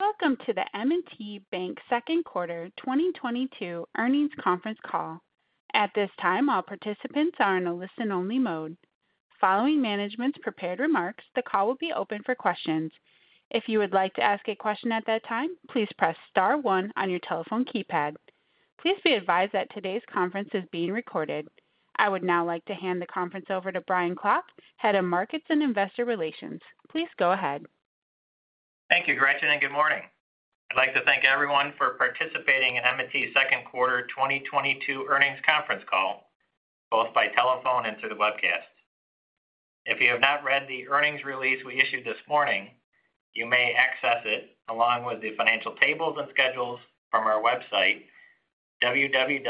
Welcome to the M&T Bank Q2 2022 earnings conference call. At this time, all participants are in a listen-only mode. Following management's prepared remarks, the call will be open for questions. If you would like to ask a question at that time, please press star one on your telephone keypad. Please be advised that today's conference is being recorded. I would now like to hand the conference over to Brian Klock, Head of Markets and Investor Relations. Please go ahead. Thank you, Gretchen, and good morning. I'd like to thank everyone for participating in M&T's Q2 2022 earnings conference call, both by telephone and through the webcast. If you have not read the earnings release we issued this morning, you may access it along with the financial tables and schedules from our website, www.mtb.com,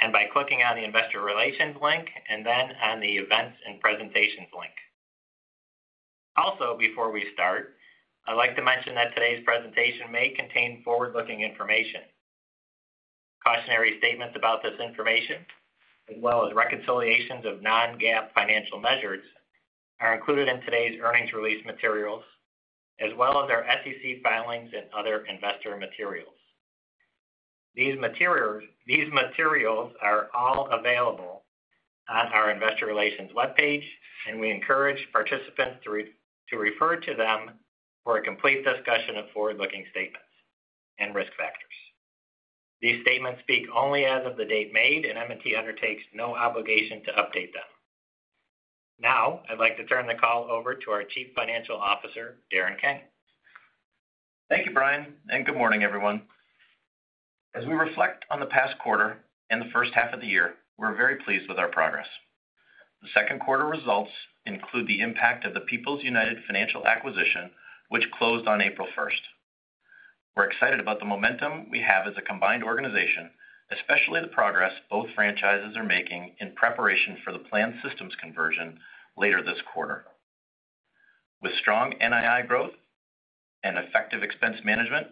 and by clicking on the Investor Relations link and then on the Events and Presentations link. Also before we start, I'd like to mention that today's presentation may contain forward-looking information. Cautionary statements about this information, as well as reconciliations of non-GAAP financial measures, are included in today's earnings release materials as well as our SEC filings and other investor materials. These materials are all available on our Investor Relations webpage, and we encourage participants to refer to them for a complete discussion of forward-looking statements and risk factors. These statements speak only as of the date made, and M&T undertakes no obligation to update them. Now, I'd like to turn the call over to our Chief Financial Officer, Darren King. Thank you, Brian, and good morning, everyone. As we reflect on the past quarter and the H1 of the year, we're very pleased with our progress. The Q2 results include the impact of the People's United Financial acquisition, which closed on April 1. We're excited about the momentum we have as a combined organization, especially the progress both franchises are making in preparation for the planned systems conversion later this quarter. With strong NII growth and effective expense management,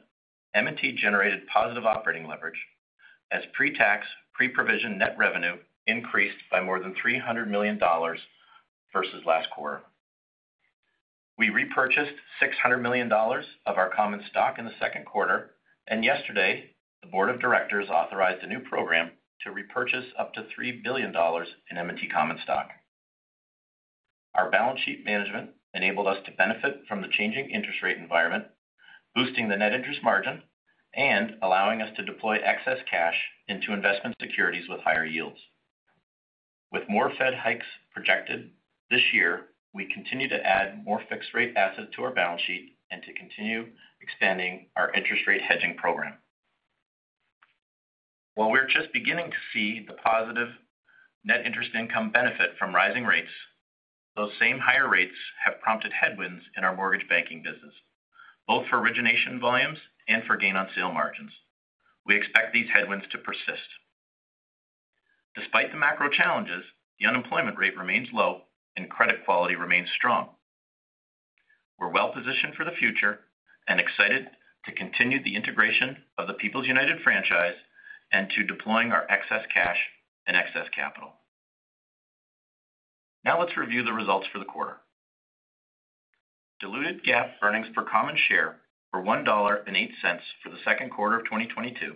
M&T generated positive operating leverage as pre-tax, pre-provision net revenue increased by more than $300 million versus last quarter. We repurchased $600 million of our common stock in the Q2, and yesterday the board of directors authorized a new program to repurchase up to $3 billion in M&T common stock. Our balance sheet management enabled us to benefit from the changing interest rate environment, boosting the net interest margin and allowing us to deploy excess cash into investment securities with higher yields. With more Fed hikes projected this year, we continue to add more fixed rate assets to our balance sheet and to continue expanding our interest rate hedging program. While we're just beginning to see the positive net interest income benefit from rising rates, those same higher rates have prompted headwinds in our mortgage banking business, both for origination volumes and for gain on sale margins. We expect these headwinds to persist. Despite the macro challenges, the unemployment rate remains low and credit quality remains strong. We're well positioned for the future and excited to continue the integration of the People's United franchise and to deploying our excess cash and excess capital. Now let's review the results for the quarter. Diluted GAAP earnings per common share were $1.08 for the Q2 of 2022,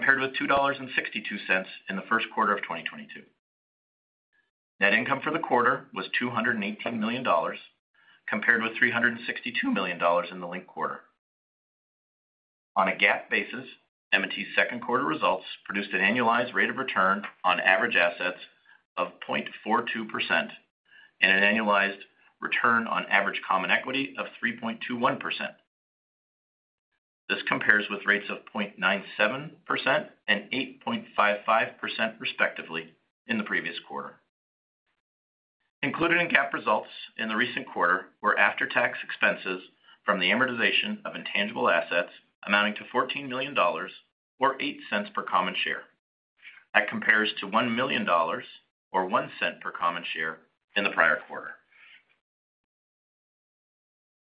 compared with $2.62 in the Q1 of 2022. Net income for the quarter was $218 million, compared with $362 million in the linked quarter. On a GAAP basis, M&T's Q2 results produced an annualized rate of return on average assets of 0.42% and an annualized return on average common equity of 3.21%. This compares with rates of 0.97% and 8.55% respectively in the previous quarter. Included in GAAP results in the recent quarter were after-tax expenses from the amortization of intangible assets amounting to $14 million or $0.08 per common share. That compares to $1 million or $0.01 per common share in the prior quarter.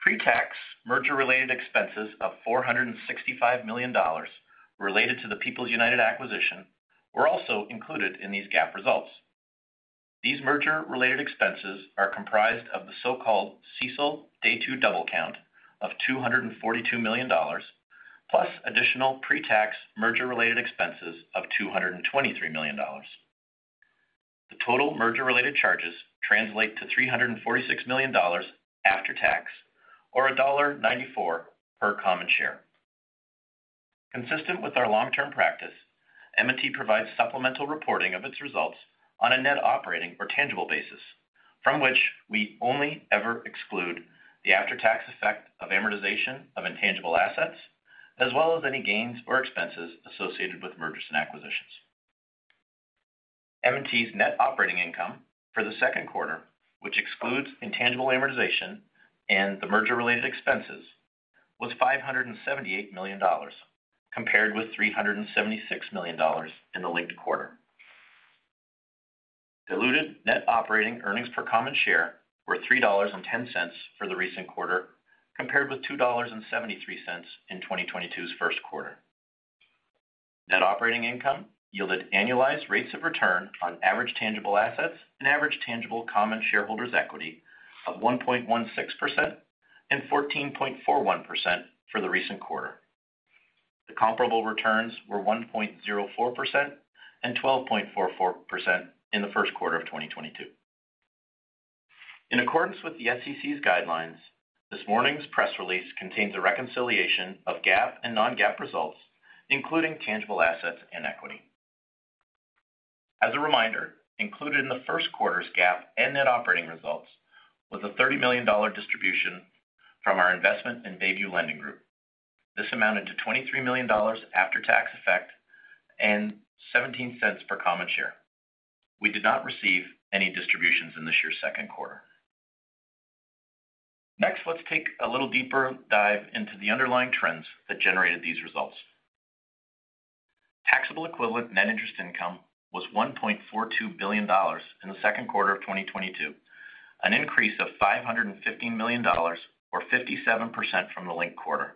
Pre-tax merger-related expenses of $465 million related to the People's United acquisition were also included in these GAAP results. These merger-related expenses are comprised of the so-called CECL Day 2 double count of $242 million+ additional pre-tax merger-related expenses of $223 million. The total merger-related charges translate to $346 million after tax or $1.94 per common share. Consistent with our long-term practice, M&T provides supplemental reporting of its results on a net operating or tangible basis from which we only ever exclude the after-tax effect of amortization of intangible assets as well as any gains or expenses associated with mergers and acquisitions. M&T's net operating income for the Q2, which excludes intangible amortization and the merger-related expenses, was $578 million, compared with $376 million in the linked quarter. Diluted net operating earnings per common share were $3.10 for the recent quarter, compared with $2.73 in 2022's Q1. Net operating income yielded annualized rates of return on average tangible assets and average tangible common shareholders equity of 1.16% and 14.41% for the recent quarter. The comparable returns were 1.04% and 12.44% in the Q1 of 2022. In accordance with the SEC's guidelines, this morning's press release contains a reconciliation of GAAP and non-GAAP results, including tangible assets and equity. As a reminder, included in the Q1's GAAP and net operating results was a $30 million distribution from our investment in Bayview Lending Group. This amounted to $23 million after-tax effect and $0.17 per common share. We did not receive any distributions in this year's Q2. Next, let's take a little deeper dive into the underlying trends that generated these results. Taxable equivalent net interest income was $1.42 billion in the Q2 of 2022, an increase of $515 million or 57% from the linked quarter.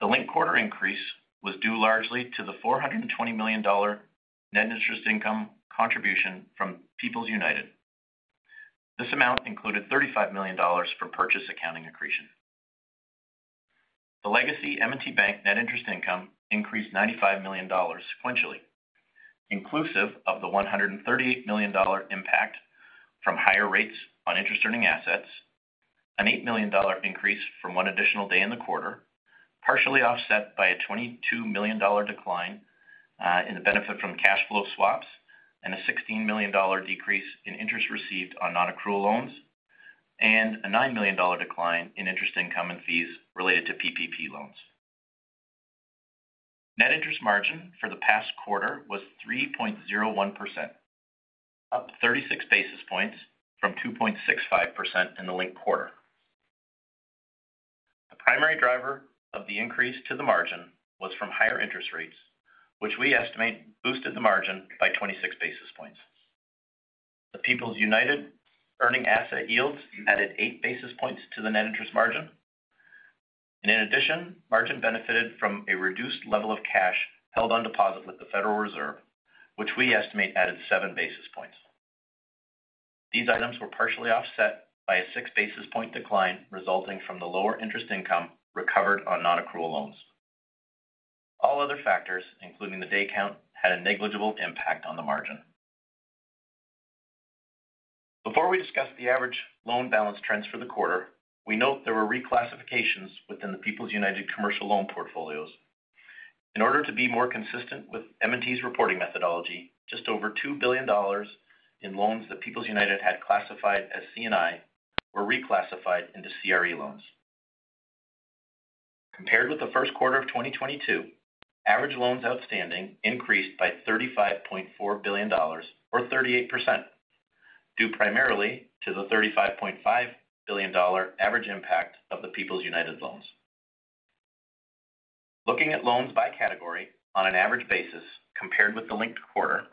The linked quarter increase was due largely to the $420 million net interest income contribution from People's United. This amount included $35 million for purchase accounting accretion. The legacy M&T Bank net interest income increased $95 million sequentially, inclusive of the $138 million impact from higher rates on interest earning assets, an $8 million increase from 1 additional day in the quarter, partially offset by a $22 million decline in the benefit from cash flow swaps and a $16 million decrease in interest received on non-accrual loans and a $9 million decline in interest income and fees related to PPP loans. Net interest margin for the past quarter was 3.01%, up 36 basis points from 2.65% in the linked quarter. The primary driver of the increase to the margin was from higher interest rates, which we estimate boosted the margin by 26 basis points. The People's United earning asset yields added 8 basis points to the net interest margin. In addition, margin benefited from a reduced level of cash held on deposit with the Federal Reserve, which we estimate added 7 basis points. These items were partially offset by a 6 basis point decline resulting from the lower interest income recovered on non-accrual loans. All other factors, including the day count, had a negligible impact on the margin. Before we discuss the average loan balance trends for the quarter, we note there were reclassifications within the People's United commercial loan portfolios. In order to be more consistent with M&T's reporting methodology, just over $2 billion in loans that People's United had classified as C&I were reclassified into CRE loans. Compared with the Q1 of 2022, average loans outstanding increased by $35.4 billion or 38%, due primarily to the $35.5 billion average impact of the People's United loans. Looking at loans by category on an average basis compared with the linked quarter,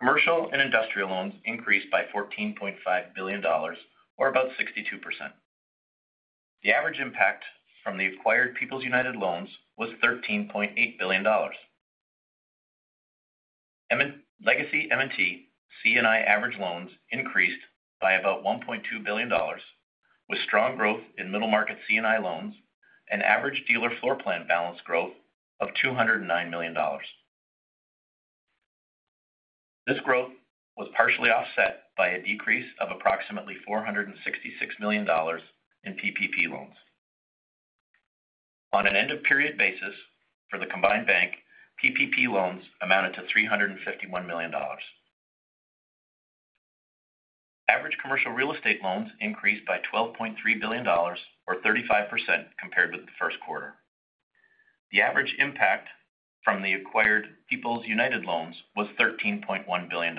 commercial and industrial loans increased by $14.5 billion or about 62%. The average impact from the acquired People's United loans was $13.8 billion. Legacy M&T C&I average loans increased by about $1.2 billion with strong growth in middle market C&I loans and average dealer floor plan balance growth of $209 million. This growth was partially offset by a decrease of approximately $466 million in PPP loans. On an end of period basis for the combined bank, PPP loans amounted to $351 million. Average commercial real estate loans increased by $12.3 billion or 35% compared with the Q1. The average impact from the acquired People's United loans was $13.1 billion.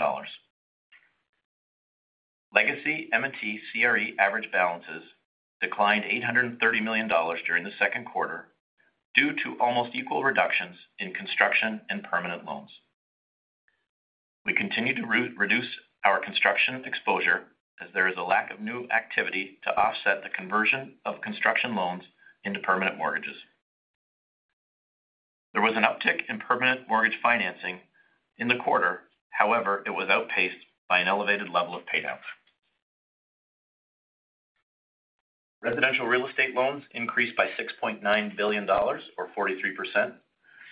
Legacy M&T CRE average balances declined $830 million during the Q2 due to almost equal reductions in construction and permanent loans. We continue to reduce our construction exposure as there is a lack of new activity to offset the conversion of construction loans into permanent mortgages. There was an uptick in permanent mortgage financing in the quarter. However, it was outpaced by an elevated level of payouts. Residential real estate loans increased by $6.9 billion or 43%,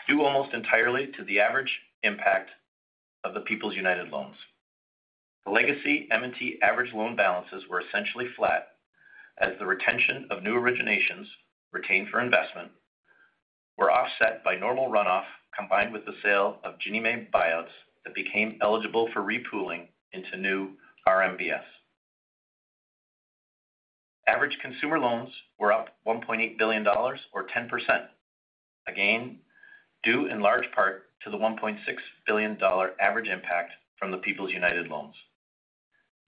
due almost entirely to the average impact of the People's United loans. The legacy M&T average loan balances were essentially flat as the retention of new originations retained for investment were offset by normal runoff combined with the sale of Ginnie Mae buyouts that became eligible for re-pooling into new RMBS. Average consumer loans were up $1.8 billion or 10%, again due in large part to the $1.6 billion average impact from the People's United loans.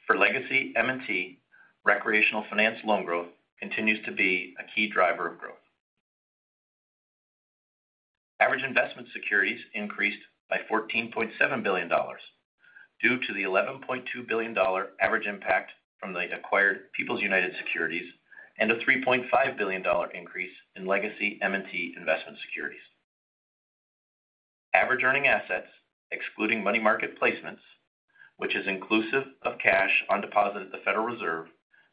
For legacy M&T, recreational finance loan growth continues to be a key driver of growth. Average investment securities increased by $14.7 billion due to the $11.2 billion average impact from the acquired People's United Securities and a $3.5 billion increase in legacy M&T investment securities. Average earning assets, excluding money market placements, which is inclusive of cash on deposit at the Federal Reserve,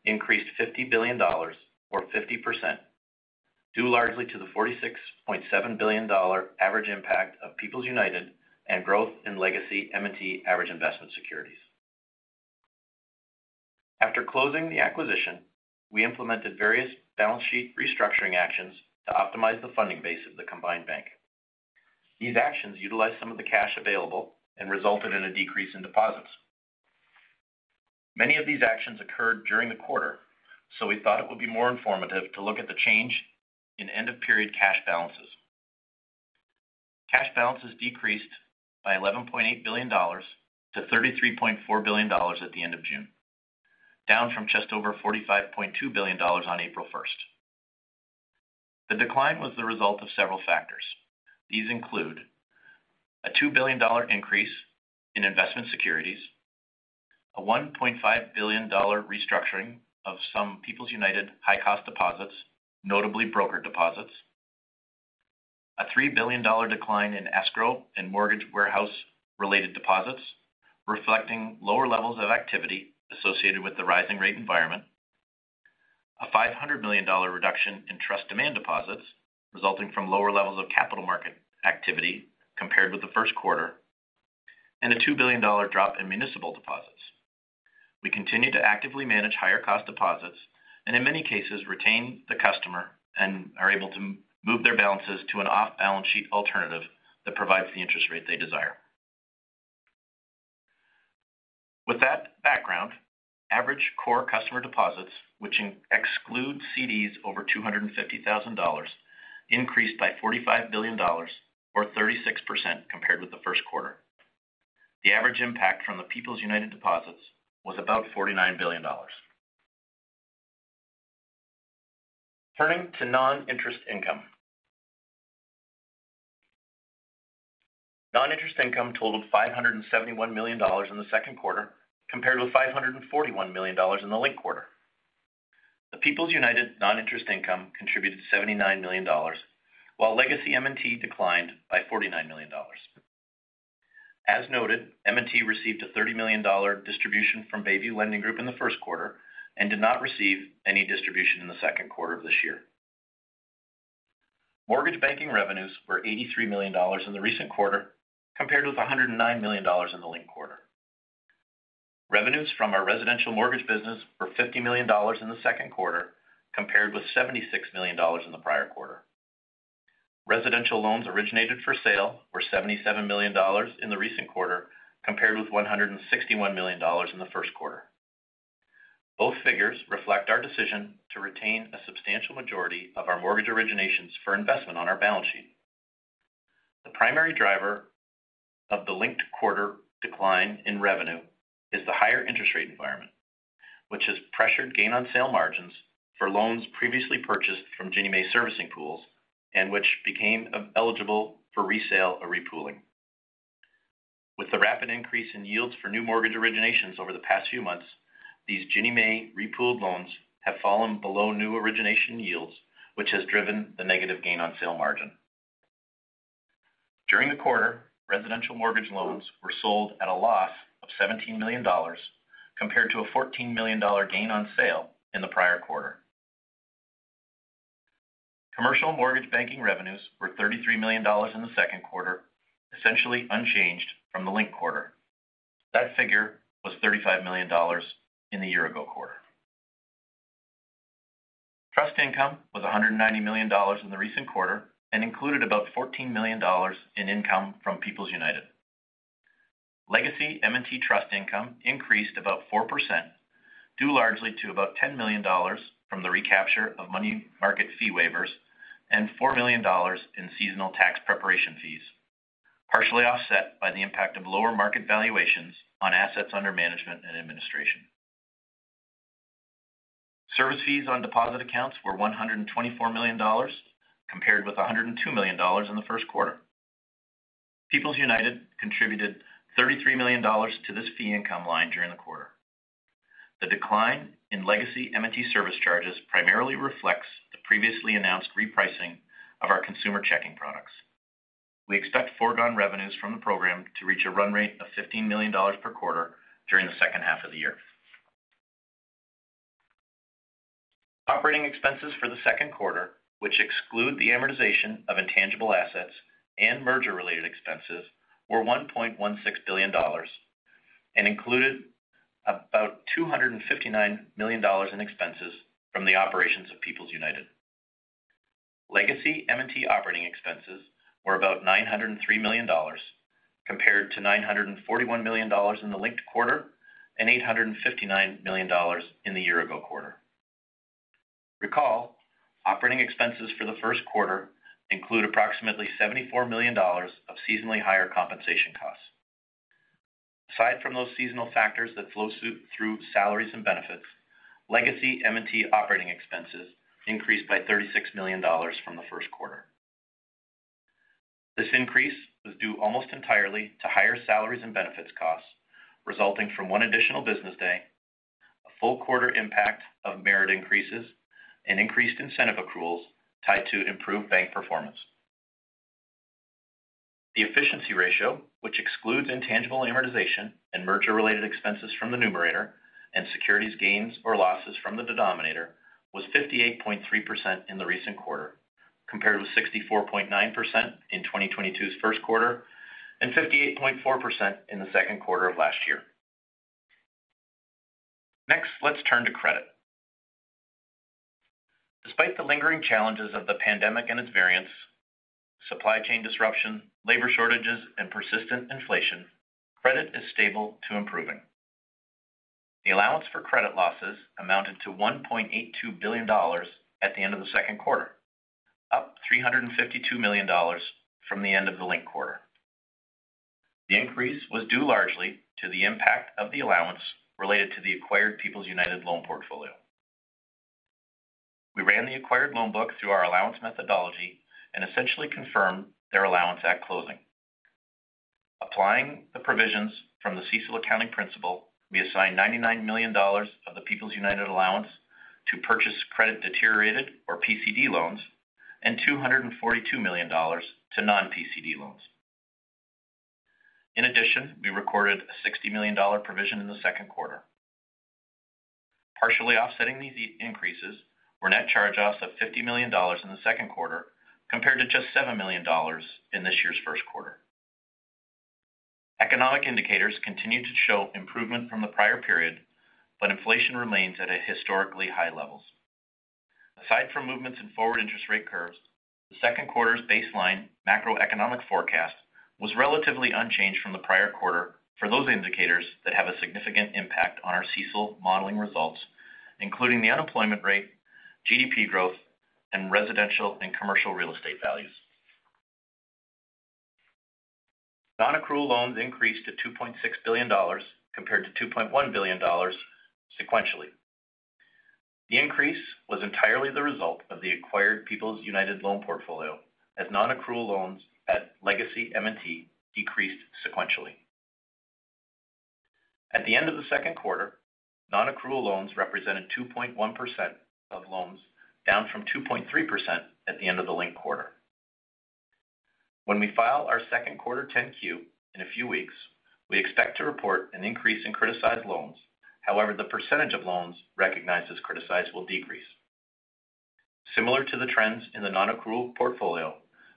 increased $50 billion or 50%, due largely to the $46.7 billion average impact of People's United and growth in legacy M&T average investment securities. After closing the acquisition, we implemented various balance sheet restructuring actions to optimize the funding base of the combined bank. These actions utilized some of the cash available and resulted in a decrease in deposits. Many of these actions occurred during the quarter, so we thought it would be more informative to look at the change in end-of-period cash balances. Cash balances decreased by $11.8 billion to $33.4 billion at the end of June, down from just over $45.2 billion on April 1st. The decline was the result of several factors. These include a $2 billion increase in investment securities, a $1.5 billion restructuring of some People's United high-cost deposits, notably broker deposits, a $3 billion decline in escrow and mortgage warehouse related deposits, reflecting lower levels of activity associated with the rising rate environment, a $500 million reduction in trust demand deposits resulting from lower levels of capital market activity compared with the Q1, and a $2 billion drop in municipal deposits. We continue to actively manage higher cost deposits and in many cases retain the customer and are able to move their balances to an off-balance sheet alternative that provides the interest rate they desire. With that background, average core customer deposits, which exclude CDs over $250,000, increased by $45 billion or 36% compared with the Q1. The average impact from the People's United deposits was about $49 billion. Turning to non-interest income. Non-interest income totaled $571 million in the Q2 compared with $541 million in the linked quarter. The People's United non-interest income contributed $79 million, while legacy M&T declined by $49 million. As noted, M&T received a $30 million distribution from Bayview Lending Group in the Q1 and did not receive any distribution in the Q2 of this year. Mortgage banking revenues were $83 million in the recent quarter compared with $109 million in the linked quarter. Revenues from our residential mortgage business were $50 million in the Q2 compared with $76 million in the prior quarter. Residential loans originated for sale were $77 million in the recent quarter compared with $161 million in the Q1. Both figures reflect our decision to retain a substantial majority of our mortgage originations for investment on our balance sheet. The primary driver of the linked quarter decline in revenue is the higher interest rate environment, which has pressured gain on sale margins for loans previously purchased from Ginnie Mae servicing pools and which became eligible for resale or re-pooling. With the rapid increase in yields for new mortgage originations over the past few months, these Ginnie Mae re-pooled loans have fallen below new origination yields, which has driven the negative gain on sale margin. During the quarter, residential mortgage loans were sold at a loss of $17 million compared to a $14 million gain on sale in the prior quarter. Commercial mortgage banking revenues were $33 million in the Q2, essentially unchanged from the linked quarter. That figure was $35 million in the year ago quarter. Trust income was $190 million in the recent quarter and included about $14 million in income from People's United. Legacy M&T trust income increased about 4%, due largely to about $10 million from the recapture of money market fee waivers and $4 million in seasonal tax preparation fees, partially offset by the impact of lower market valuations on assets under management and administration. Service fees on deposit accounts were $124 million, compared with $102 million in the Q1. People's United contributed $33 million to this fee income line during the quarter. The decline in legacy M&T service charges primarily reflects the previously announced repricing of our consumer checking products. We expect foregone revenues from the program to reach a run rate of $15 million per quarter during the H2 of the year. Operating expenses for the Q2, which exclude the amortization of intangible assets and merger related expenses, were $1.16 billion and included about $259 million in expenses from the operations of People's United. Legacy M&T operating expenses were about $903 million compared to $941 million in the linked quarter and $859 million in the year ago quarter. Recall, operating expenses for the Q1 include approximately $74 million of seasonally higher compensation costs. Aside from those seasonal factors that flow through salaries and benefits, legacy M&T operating expenses increased by $36 million from the Q1. This increase was due almost entirely to higher salaries and benefits costs resulting from 1 additional business day, a full quarter impact of merit increases, and increased incentive accruals tied to improved bank performance. The efficiency ratio, which excludes intangible amortization and merger-related expenses from the numerator and securities gains or losses from the denominator, was 58.3% in the recent quarter, compared with 64.9% in 2022's Q1 and 58.4% in the Q2 of last year. Next, let's turn to credit. Despite the lingering challenges of the pandemic and its variants, supply chain disruption, labor shortages, and persistent inflation, credit is stable to improving. The allowance for credit losses amounted to $1.82 billion at the end of the Q2, up $352 million from the end of the linked quarter. The increase was due largely to the impact of the allowance related to the acquired People's United loan portfolio. We ran the acquired loan book through our allowance methodology and essentially confirmed their allowance at closing. Applying the provisions from the CECL accounting principle, we assigned $99 million of the People's United allowance to purchased credit deteriorated or PCD loans and $242 million to non-PCD loans. In addition, we recorded a $60 million provision in the Q2. Partially offsetting these increases were net charge-offs of $50 million in the Q2 compared to just $7 million in this year's Q1. Economic indicators continue to show improvement from the prior period, but inflation remains at a historically high levels. Aside from movements in forward interest rate curves, the Q2's baseline macroeconomic forecast was relatively unchanged from the prior quarter for those indicators that have a significant impact on our CECL modeling results, including the unemployment rate, GDP growth, and residential and commercial real estate values. Non-accrual loans increased to $2.6 billion compared to $2.1 billion sequentially. The increase was entirely the result of the acquired People's United loan portfolio as non-accrual loans at Legacy M&T decreased sequentially. At the end of the Q2, non-accrual loans represented 2.1% of loans down from 2.3% at the end of the linked quarter. When we file our Q2 10-Q in a few weeks, we expect to report an increase in criticized loans. However, the percentage of loans recognized as criticized will decrease. Similar to the trends in the non-accrual portfolio,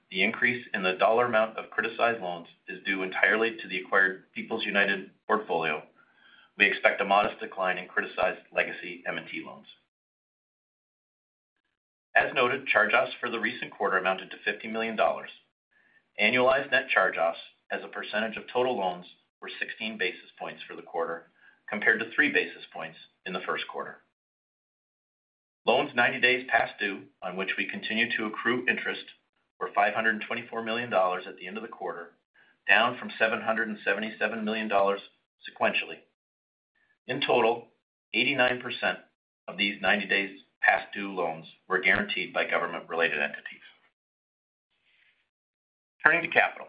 the increase in the dollar amount of criticized loans is due entirely to the acquired People's United portfolio. We expect a modest decline in criticized legacy M&T loans. As noted, charge-offs for the recent quarter amounted to $50 million. Annualized net charge-offs as a percentage of total loans were 16 basis points for the quarter compared to 3 basis points in the Q1. Loans 90 days past due on which we continue to accrue interest were $524 million at the end of the quarter, down from $777 million sequentially. In total, 89% of these 90 days past due loans were guaranteed by government-related entities. Turning to capital.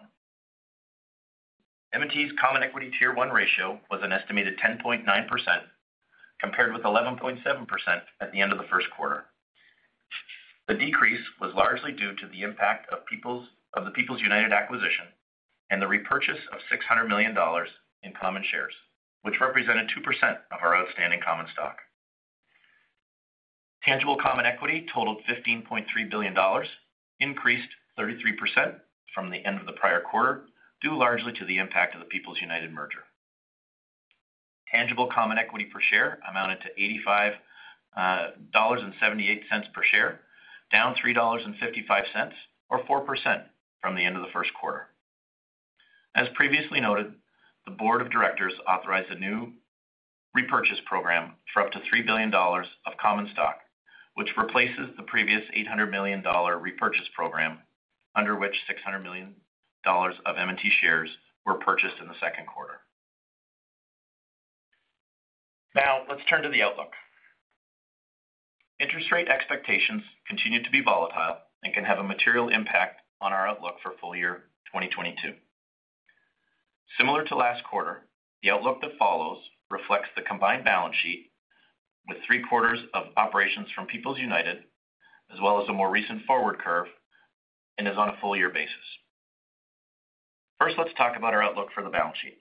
M&T's common equity tier 1 ratio was an estimated 10.9% compared with 11.7% at the end of the Q1. The decrease was largely due to the impact of the People's United acquisition and the repurchase of $600 million in common shares, which represented 2% of our outstanding common stock. Tangible common equity totaled $15.3 billion, increased 33% from the end of the prior quarter, due largely to the impact of the People's United merger. Tangible common equity per share amounted to $85.78 per share, down $3.55 or 4% from the end of the Q1. As previously noted, the board of directors authorized a new repurchase program for up to $3 billion of common stock, which replaces the previous $800 million repurchase program under which $600 million of M&T shares were purchased in the Q2. Now let's turn to the outlook. Interest rate expectations continue to be volatile and can have a material impact on our outlook for full year 2022. Similar to last quarter, the outlook that follows reflects the combined balance sheet with 3 quarters of operations from People's United, as well as a more recent forward curve and is on a full year basis. First, let's talk about our outlook for the balance sheet.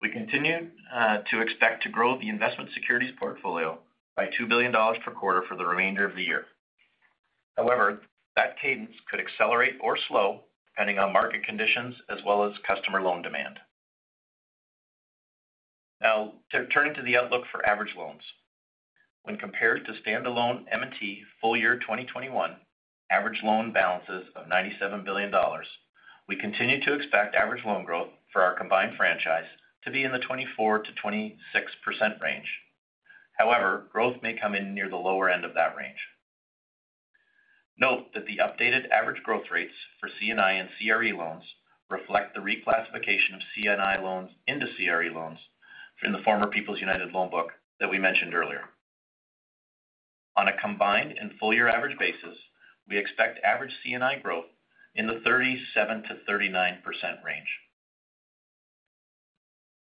We continue to expect to grow the investment securities portfolio by $2 billion per quarter for the remainder of the year. However, that cadence could accelerate or slow depending on market conditions as well as customer loan demand. Now to turn to the outlook for average loans. When compared to standalone M&T full year 2021 average loan balances of $97 billion, we continue to expect average loan growth for our combined franchise to be in the 24%-26% range. However, growth may come in near the lower end of that range. Note that the updated average growth rates for C&I and CRE loans reflect the reclassification of C&I loans into CRE loans from the former People's United loan book that we mentioned earlier. On a combined and full year average basis, we expect average C&I growth in the 37%-39% range.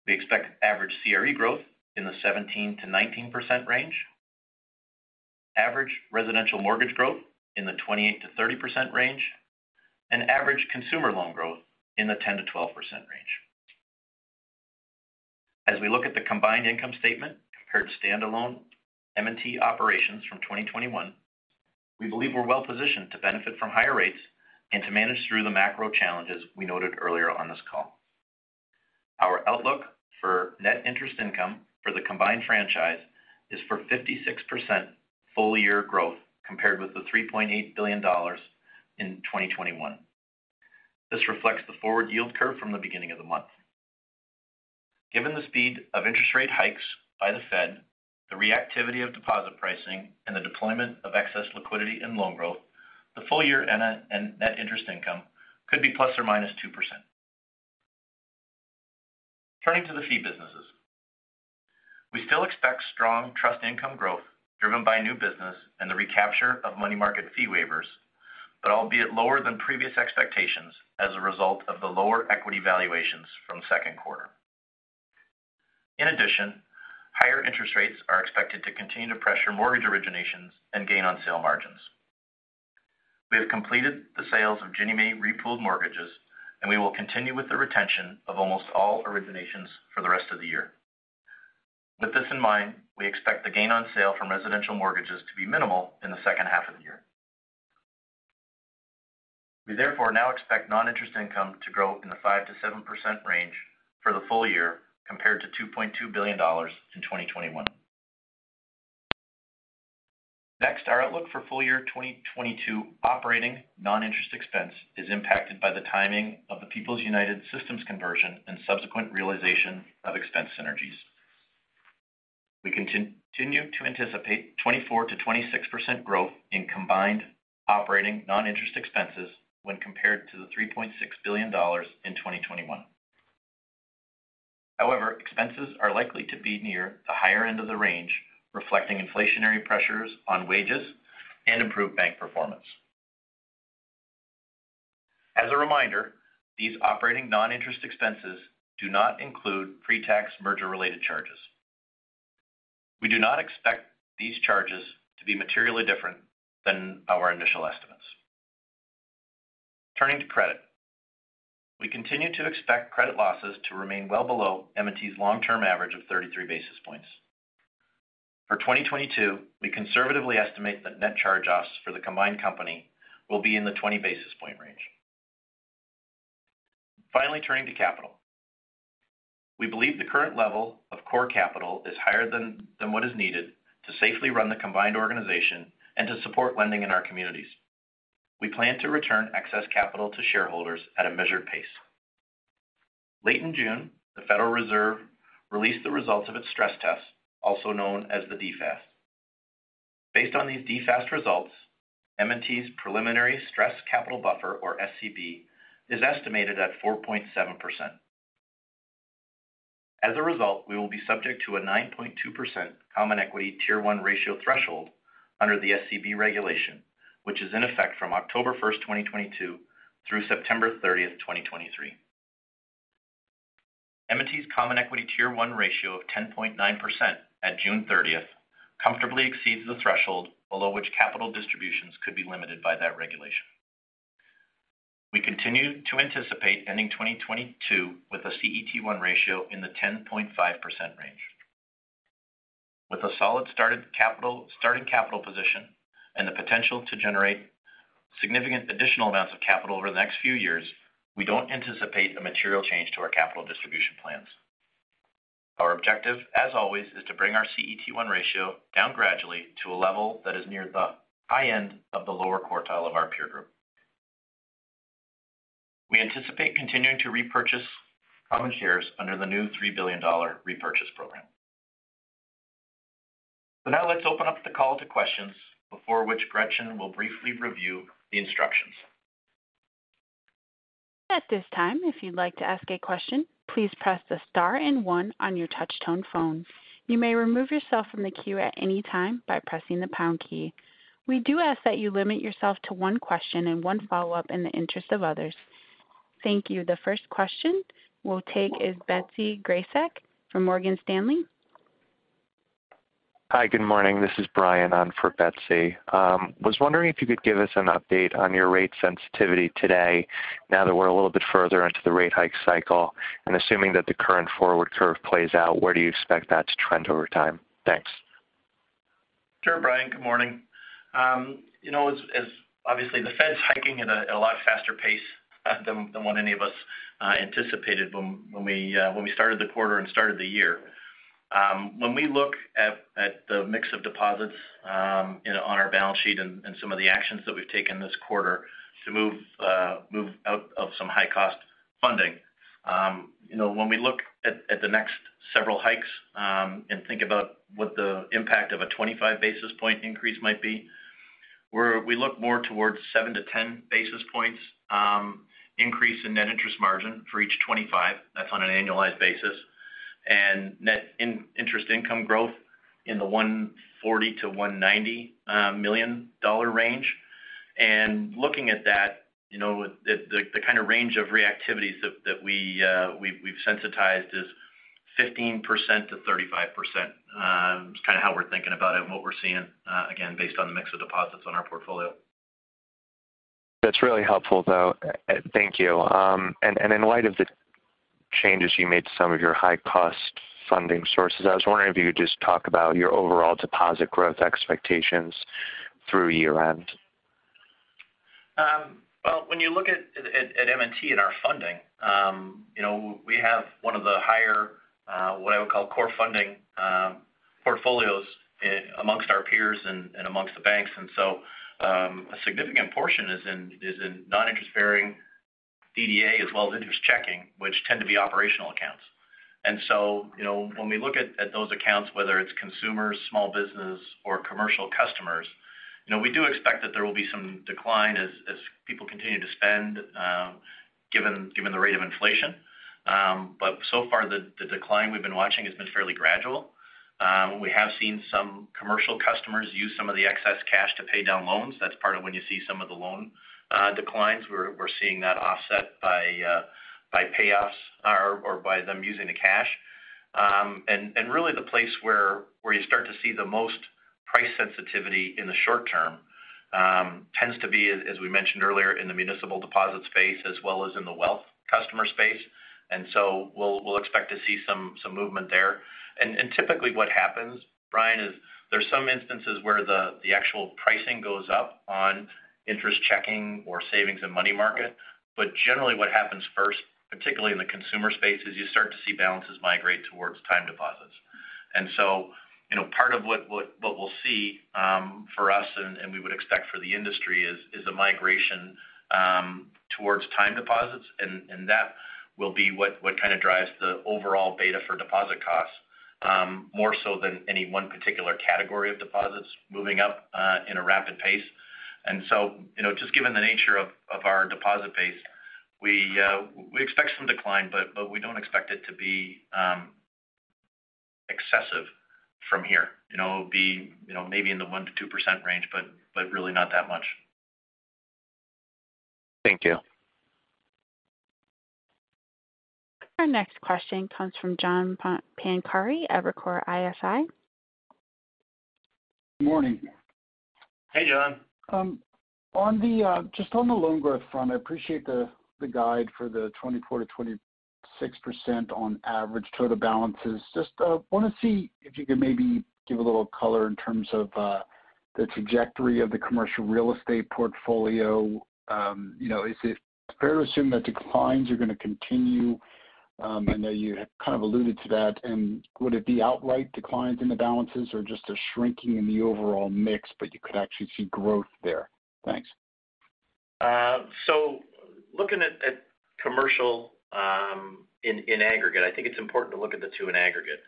We expect average CRE growth in the 17%-19% range, average residential mortgage growth in the 28%-30% range, and average consumer loan growth in the 10%-12% range. As we look at the combined income statement compared to stand-alone M&T operations from 2021, we believe we're well-positioned to benefit from higher rates and to manage through the macro challenges we noted earlier on this call. Our outlook for net interest income for the combined franchise is for 56% full year growth compared with the $3.8 billion in 2021. This reflects the forward yield curve from the beginning of the month. Given the speed of interest rate hikes by the Fed, the reactivity of deposit pricing, and the deployment of excess liquidity and loan growth, the full year net interest income could be ±2%. Turning to the fee businesses. We still expect strong trust income growth driven by new business and the recapture of money market fee waivers, but albeit lower than previous expectations as a result of the lower equity valuations from Q2. In addition, higher interest rates are expected to continue to pressure mortgage originations and gain on sale margins. We have completed the sales of Ginnie Mae repooled mortgages, and we will continue with the retention of almost all originations for the rest of the year. With this in mind, we expect the gain on sale from residential mortgages to be minimal in the H2 of the year. We therefore now expect non-interest income to grow in the 5%-7% range for the full year compared to $2.2 billion in 2021. Next, our outlook for full year 2022 operating non-interest expense is impacted by the timing of the People's United systems conversion and subsequent realization of expense synergies. We continue to anticipate 24%-26% growth in combined operating non-interest expenses when compared to the $3.6 billion in 2021. However, expenses are likely to be near the higher end of the range, reflecting inflationary pressures on wages and improved bank performance. As a reminder, these operating non-interest expenses do not include pre-tax merger-related charges. We do not expect these charges to be materially different than our initial estimates. Turning to credit. We continue to expect credit losses to remain well below M&T's long-term average of 33 basis points. For 2022, we conservatively estimate that net charge-offs for the combined company will be in the 20 basis point range. Finally, turning to capital. We believe the current level of core capital is higher than what is needed to safely run the combined organization and to support lending in our communities. We plan to return excess capital to shareholders at a measured pace. Late in June, the Federal Reserve released the results of its stress test, also known as the DFAST. Based on these DFAST results, M&T's preliminary stress capital buffer, or SCB, is estimated at 4.7%. As a result, we will be subject to a 9.2% common equity Tier 1 ratio threshold under the SCB regulation, which is in effect from October 1, 2022 through September 30, 2023. M&T's common equity Tier 1 ratio of 10.9% at June 30 comfortably exceeds the threshold below which capital distributions could be limited by that regulation. We continue to anticipate ending 2022 with a CET1 ratio in the 10.5% range. With a solid starting capital position and the potential to generate significant additional amounts of capital over the next few years, we don't anticipate a material change to our capital distribution plans. Our objective, as always, is to bring our CET1 ratio down gradually to a level that is near the high end of the lower quartile of our peer group. We anticipate continuing to repurchase common shares under the new $3 billion repurchase program. Now let's open up the call to questions, before which Gretchen will briefly review the instructions. At this time, if you'd like to ask a question, please press the star and one on your touch tone phone. You may remove yourself from the queue at any time by pressing the pound key. We do ask that you limit yourself to 1 question and 1 follow-up in the interest of others. Thank you. The first question we'll take is Betsy Graseck from Morgan Stanley. Hi. Good morning. This is Brian on for Betsy. Was wondering if you could give us an update on your rate sensitivity today now that we're a little bit further into the rate hike cycle. Assuming that the current forward curve plays out, where do you expect that to trend over time? Thanks. Sure, Brian. Good morning. You know, as obviously the Fed's hiking at a lot faster pace than what any of us anticipated when we started the quarter and started the year. When we look at the mix of deposits, you know, on our balance sheet and some of the actions that we've taken this quarter to move out of some high-cost funding, you know, when we look at the next several hikes and think about what the impact of a 25 basis point increase might be, we look more towards 7 to 10 basis points increase in net interest margin for each 25. That's on an annualized basis. Net interest income growth in the $140 million-$190 million range. Looking at that, you know, the kind of range of reactivities that we have sensitized is 15%-35%. It's kind of how we're thinking about it and what we're seeing, again based on the mix of deposits on our portfolio. That's really helpful, though. Thank you. In light of the changes you made to some of your high-cost funding sources, I was wondering if you could just talk about your overall deposit growth expectations through year-end. Well, when you look at M&T and our funding, you know, we have one of the higher what I would call core funding portfolios amongst our peers and amongst the banks. A significant portion is in non-interest-bearing DDA as well as interest checking, which tend to be operational accounts. You know, when we look at those accounts, whether it's consumers, small business or commercial customers, you know, we do expect that there will be some decline as people continue to spend, given the rate of inflation. So far the decline we've been watching has been fairly gradual. We have seen some commercial customers use some of the excess cash to pay down loans. That's part of when you see some of the loan declines. We're seeing that offset by payoffs or by them using the cash. Really the place where you start to see the most price sensitivity in the short term tends to be, as we mentioned earlier, in the municipal deposit space as well as in the wealth customer space. We'll expect to see some movement there. Typically what happens, Brian, is there's some instances where the actual pricing goes up on interest checking or savings and money market. Generally what happens first, particularly in the consumer space, is you start to see balances migrate towards time deposits. You know, part of what we'll see for us and we would expect for the industry is a migration towards time deposits. That will be what kind of drives the overall beta for deposit costs, more so than any one particular category of deposits moving up in a rapid pace. You know, just given the nature of our deposit base, we expect some decline, but we don't expect it to be excessive from here. You know, maybe in the 1%-2% range, but really not that much. Thank you. Our next question comes from John Pancari at Evercore ISI. Morning. Hey, John. On the loan growth front, I appreciate the guide for the 24%-26% on average total balances. Just want to see if you could maybe give a little color in terms of the trajectory of the commercial real estate portfolio. You know, is it fair to assume that declines are going to continue? I know you kind of alluded to that. Would it be outright declines in the balances or just a shrinking in the overall mix, but you could actually see growth there? Thanks. Looking at commercial in aggregate, I think it's important to look at the 2 in aggregate.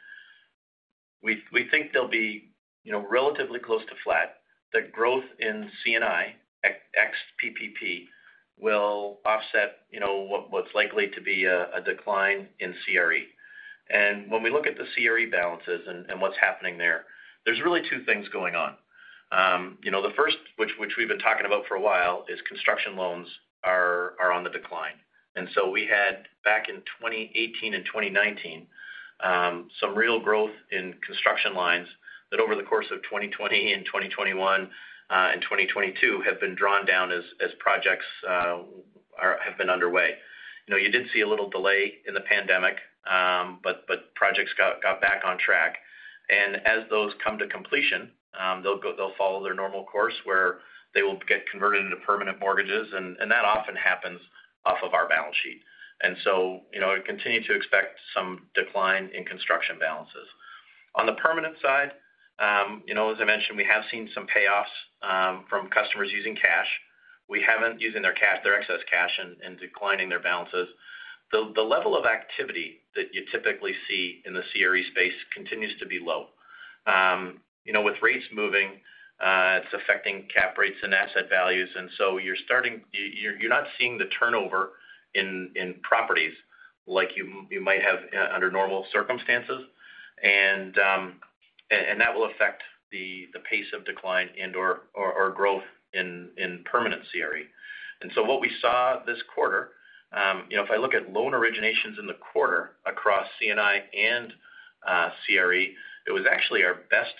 We think they'll be, you know, relatively close to flat. The growth in C&I ex PPP will offset, you know, what's likely to be a decline in CRE. When we look at the CRE balances and what's happening there's really 2 things going on. You know, the first which we've been talking about for a while is construction loans are on the decline. We had back in 2018 and 2019 some real growth in construction lines that over the course of 2020 and 2021 and 2022 have been drawn down as projects have been underway. You know, you did see a little delay in the pandemic, but projects got back on track. As those come to completion, they'll follow their normal course where they will get converted into permanent mortgages, and that often happens off of our balance sheet. You know, I continue to expect some decline in construction balances. On the permanent side, you know, as I mentioned, we have seen some payoffs from customers using their cash, their excess cash and declining their balances. The level of activity that you typically see in the CRE space continues to be low. You know, with rates moving, it's affecting cap rates and asset values, and so you're not seeing the turnover in properties like you might have under normal circumstances. That will affect the pace of decline and/or growth in permanent CRE. What we saw this quarter, you know, if I look at loan originations in the quarter across C&I and CRE, it was actually our best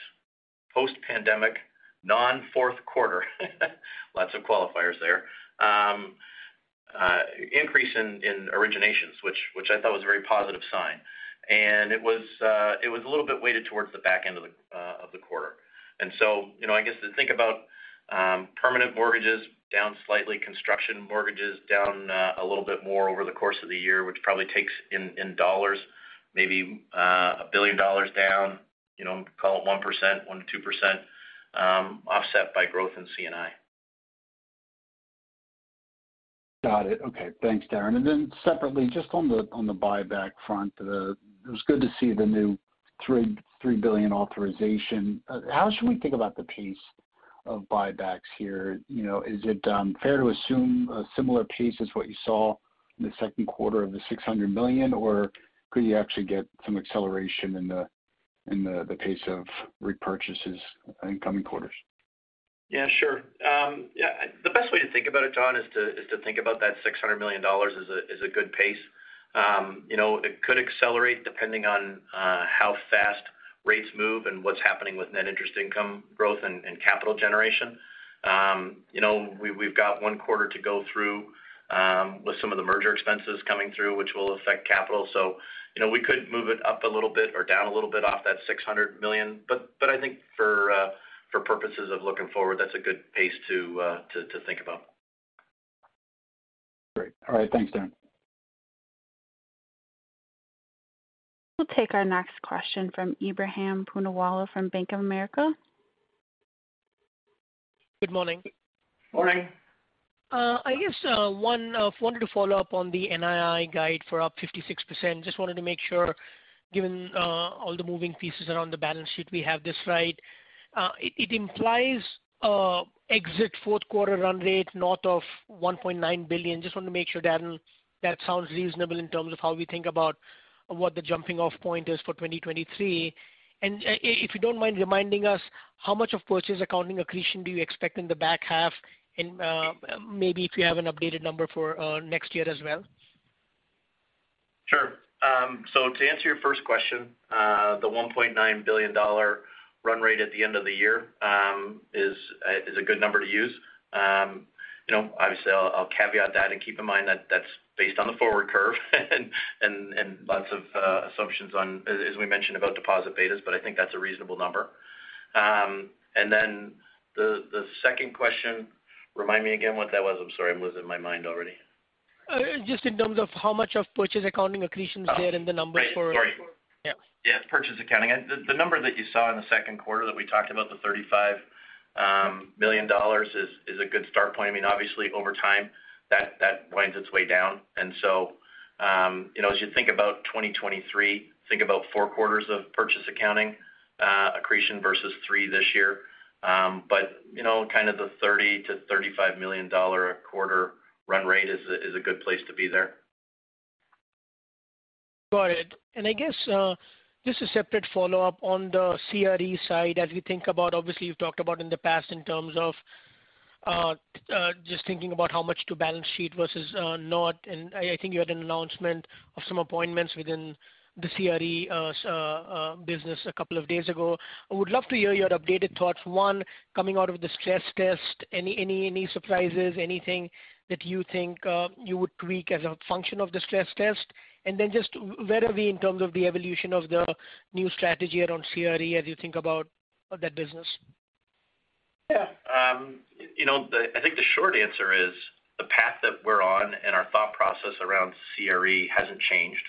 post-pandemic, non-Q4 lots of qualifiers there, increase in originations, which I thought was a very positive sign. It was a little bit weighted towards the back end of the quarter. You know, I guess to think about, permanent mortgages down slightly, construction mortgages down, a little bit more over the course of the year, which probably takes in dollars maybe, $1 billion down. You know, call it 1%, 1%-2%, offset by growth in C&I. Got it. Okay. Thanks, Darren. Separately, just on the buyback front, it was good to see the new $3 billion authorization. How should we think about the pace of buybacks here? You know, is it fair to assume a similar pace as what you saw in the Q2 of the $600 million, or could you actually get some acceleration in the pace of repurchases in coming quarters? Yeah, sure. The best way to think about it, John, is to think about that $600 million as a good pace. You know, it could accelerate depending on how fast rates move and what's happening with net interest income growth and capital generation. You know, we've got 1 quarter to go through with some of the merger expenses coming through, which will affect capital. You know, we could move it up a little bit or down a little bit off that $600 million. I think for purposes of looking forward, that's a good pace to think about. Great. All right. Thanks, Darren. We'll take our next question from Ebrahim Poonawala from Bank of America. Good morning. Morning. I guess I wanted to follow up on the NII guide for up 56%. Just wanted to make sure, given all the moving pieces around the balance sheet we have this right. It implies exit Q4 run rate north of $1.9 billion. Just want to make sure, Darren, that sounds reasonable in terms of how we think about what the jumping-off point is for 2023. If you don't mind reminding us how much of purchase accounting accretion do you expect in the back half and, maybe if you have an updated number for next year as well. Sure. To answer your first question, the $1.9 billion run rate at the end of the year is a good number to use. You know, obviously, I'll caveat that and keep in mind that that's based on the forward curve and lots of assumptions on, as we mentioned, about deposit betas, but I think that's a reasonable number. Then the second question, remind me again what that was. I'm sorry. I'm losing my mind already. Just in terms of how much of purchase accounting accretion is there in the numbers for- Right. Sorry. Yeah. Yeah. Purchase accounting. The number that you saw in the Q2 that we talked about, the $35 million is a good start point. I mean, obviously over time, that winds its way down. You know, as you think about 2023, think about 4 quarters of purchase accounting accretion versus 3 this year. You know, kind of the $30-$35 million a quarter run rate is a good place to be there. Got it. I guess just a separate follow-up on the CRE side as we think about, obviously, you've talked about in the past in terms of, just thinking about how much to balance sheet versus not, and I think you had an announcement of some appointments within the CRE business a couple of days ago. I would love to hear your updated thoughts. 1, coming out of the stress test, any surprises, anything that you think you would tweak as a function of the stress test? Just where are we in terms of the evolution of the new strategy around CRE as you think about that business? Yeah. You know, I think the short answer is the path that we're on and our thought process around CRE hasn't changed.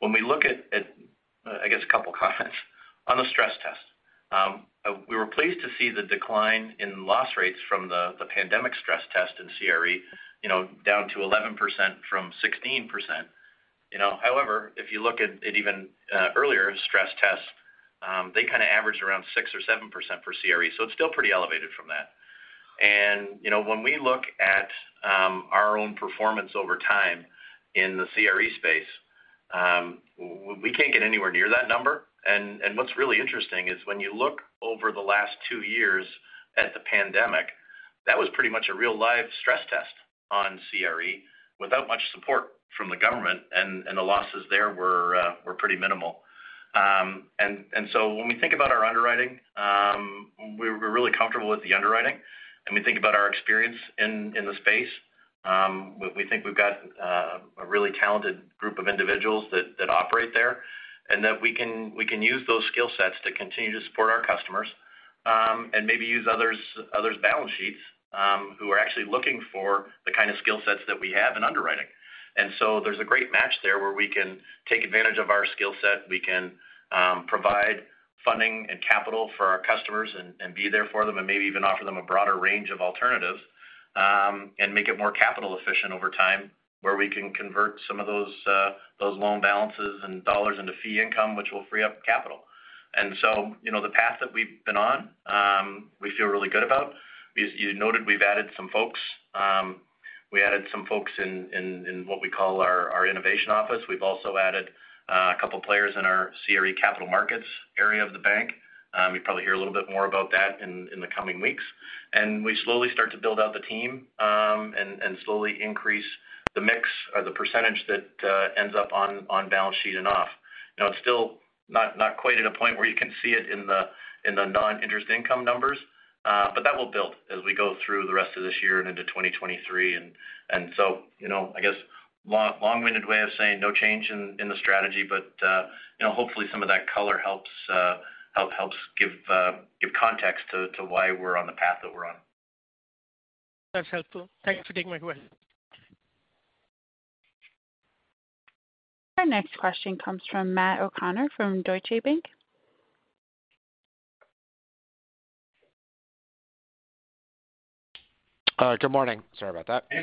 When we look at, I guess, a couple of comments on the stress test. We were pleased to see the decline in loss rates from the pandemic stress test in CRE, you know, down to 11% from 16%. You know, however, if you look at it even earlier stress tests, they kind of average around 6 or 7% for CRE, so it's still pretty elevated from that. You know, when we look at our own performance over time in the CRE space, we can't get anywhere near that number. What's really interesting is when you look over the last 2 years at the pandemic, that was pretty much a real live stress test on CRE without much support from the government, and the losses there were pretty minimal. When we think about our underwriting, we're really comfortable with the underwriting. When we think about our experience in the space, we think we've got a really talented group of individuals that operate there, and that we can use those skill sets to continue to support our customers, and maybe use others' balance sheets, who are actually looking for the kind of skill sets that we have in underwriting. There's a great match there where we can take advantage of our skill set. We can provide funding and capital for our customers and be there for them and maybe even offer them a broader range of alternatives, and make it more capital efficient over time, where we can convert some of those loan balances and dollars into fee income, which will free up capital. You know, the path that we've been on, we feel really good about. As you noted, we've added some folks. We added some folks in what we call our innovation office. We've also added a couple of players in our CRE capital markets area of the bank. You'll probably hear a little bit more about that in the coming weeks. We slowly start to build out the team and slowly increase the mix or the percentage that ends up on balance sheet and off. You know, it's still not quite at a point where you can see it in the noninterest income numbers, but that will build as we go through the rest of this year and into 2023. You know, I guess long-winded way of saying no change in the strategy. You know, hopefully, some of that color helps give context to why we're on the path that we're on. That's helpful. Thank you for taking my call. Our next question comes from Matt O'Connor from Deutsche Bank. Good morning. Sorry about that. Hey,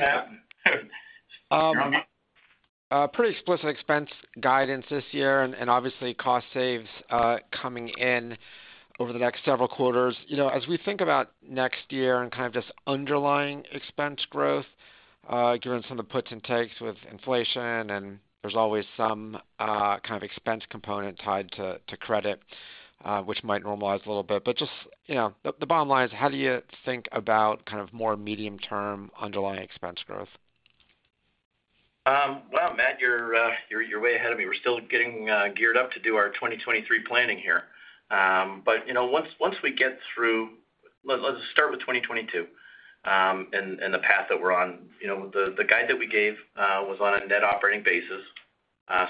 Matt. Pretty explicit expense guidance this year and obviously cost saves coming in over the next several quarters. You know, as we think about next year and kind of just underlying expense growth, given some of the puts and takes with inflation, and there's always some kind of expense component tied to credit, which might normalize a little bit. Just, you know, the bottom line is how do you think about kind of more medium-term underlying expense growth? Well, Matt, you're way ahead of me. We're still getting geared up to do our 2023 planning here. You know, once we get through, let's start with 2022 and the path that we're on. You know, the guide that we gave was on a net operating basis,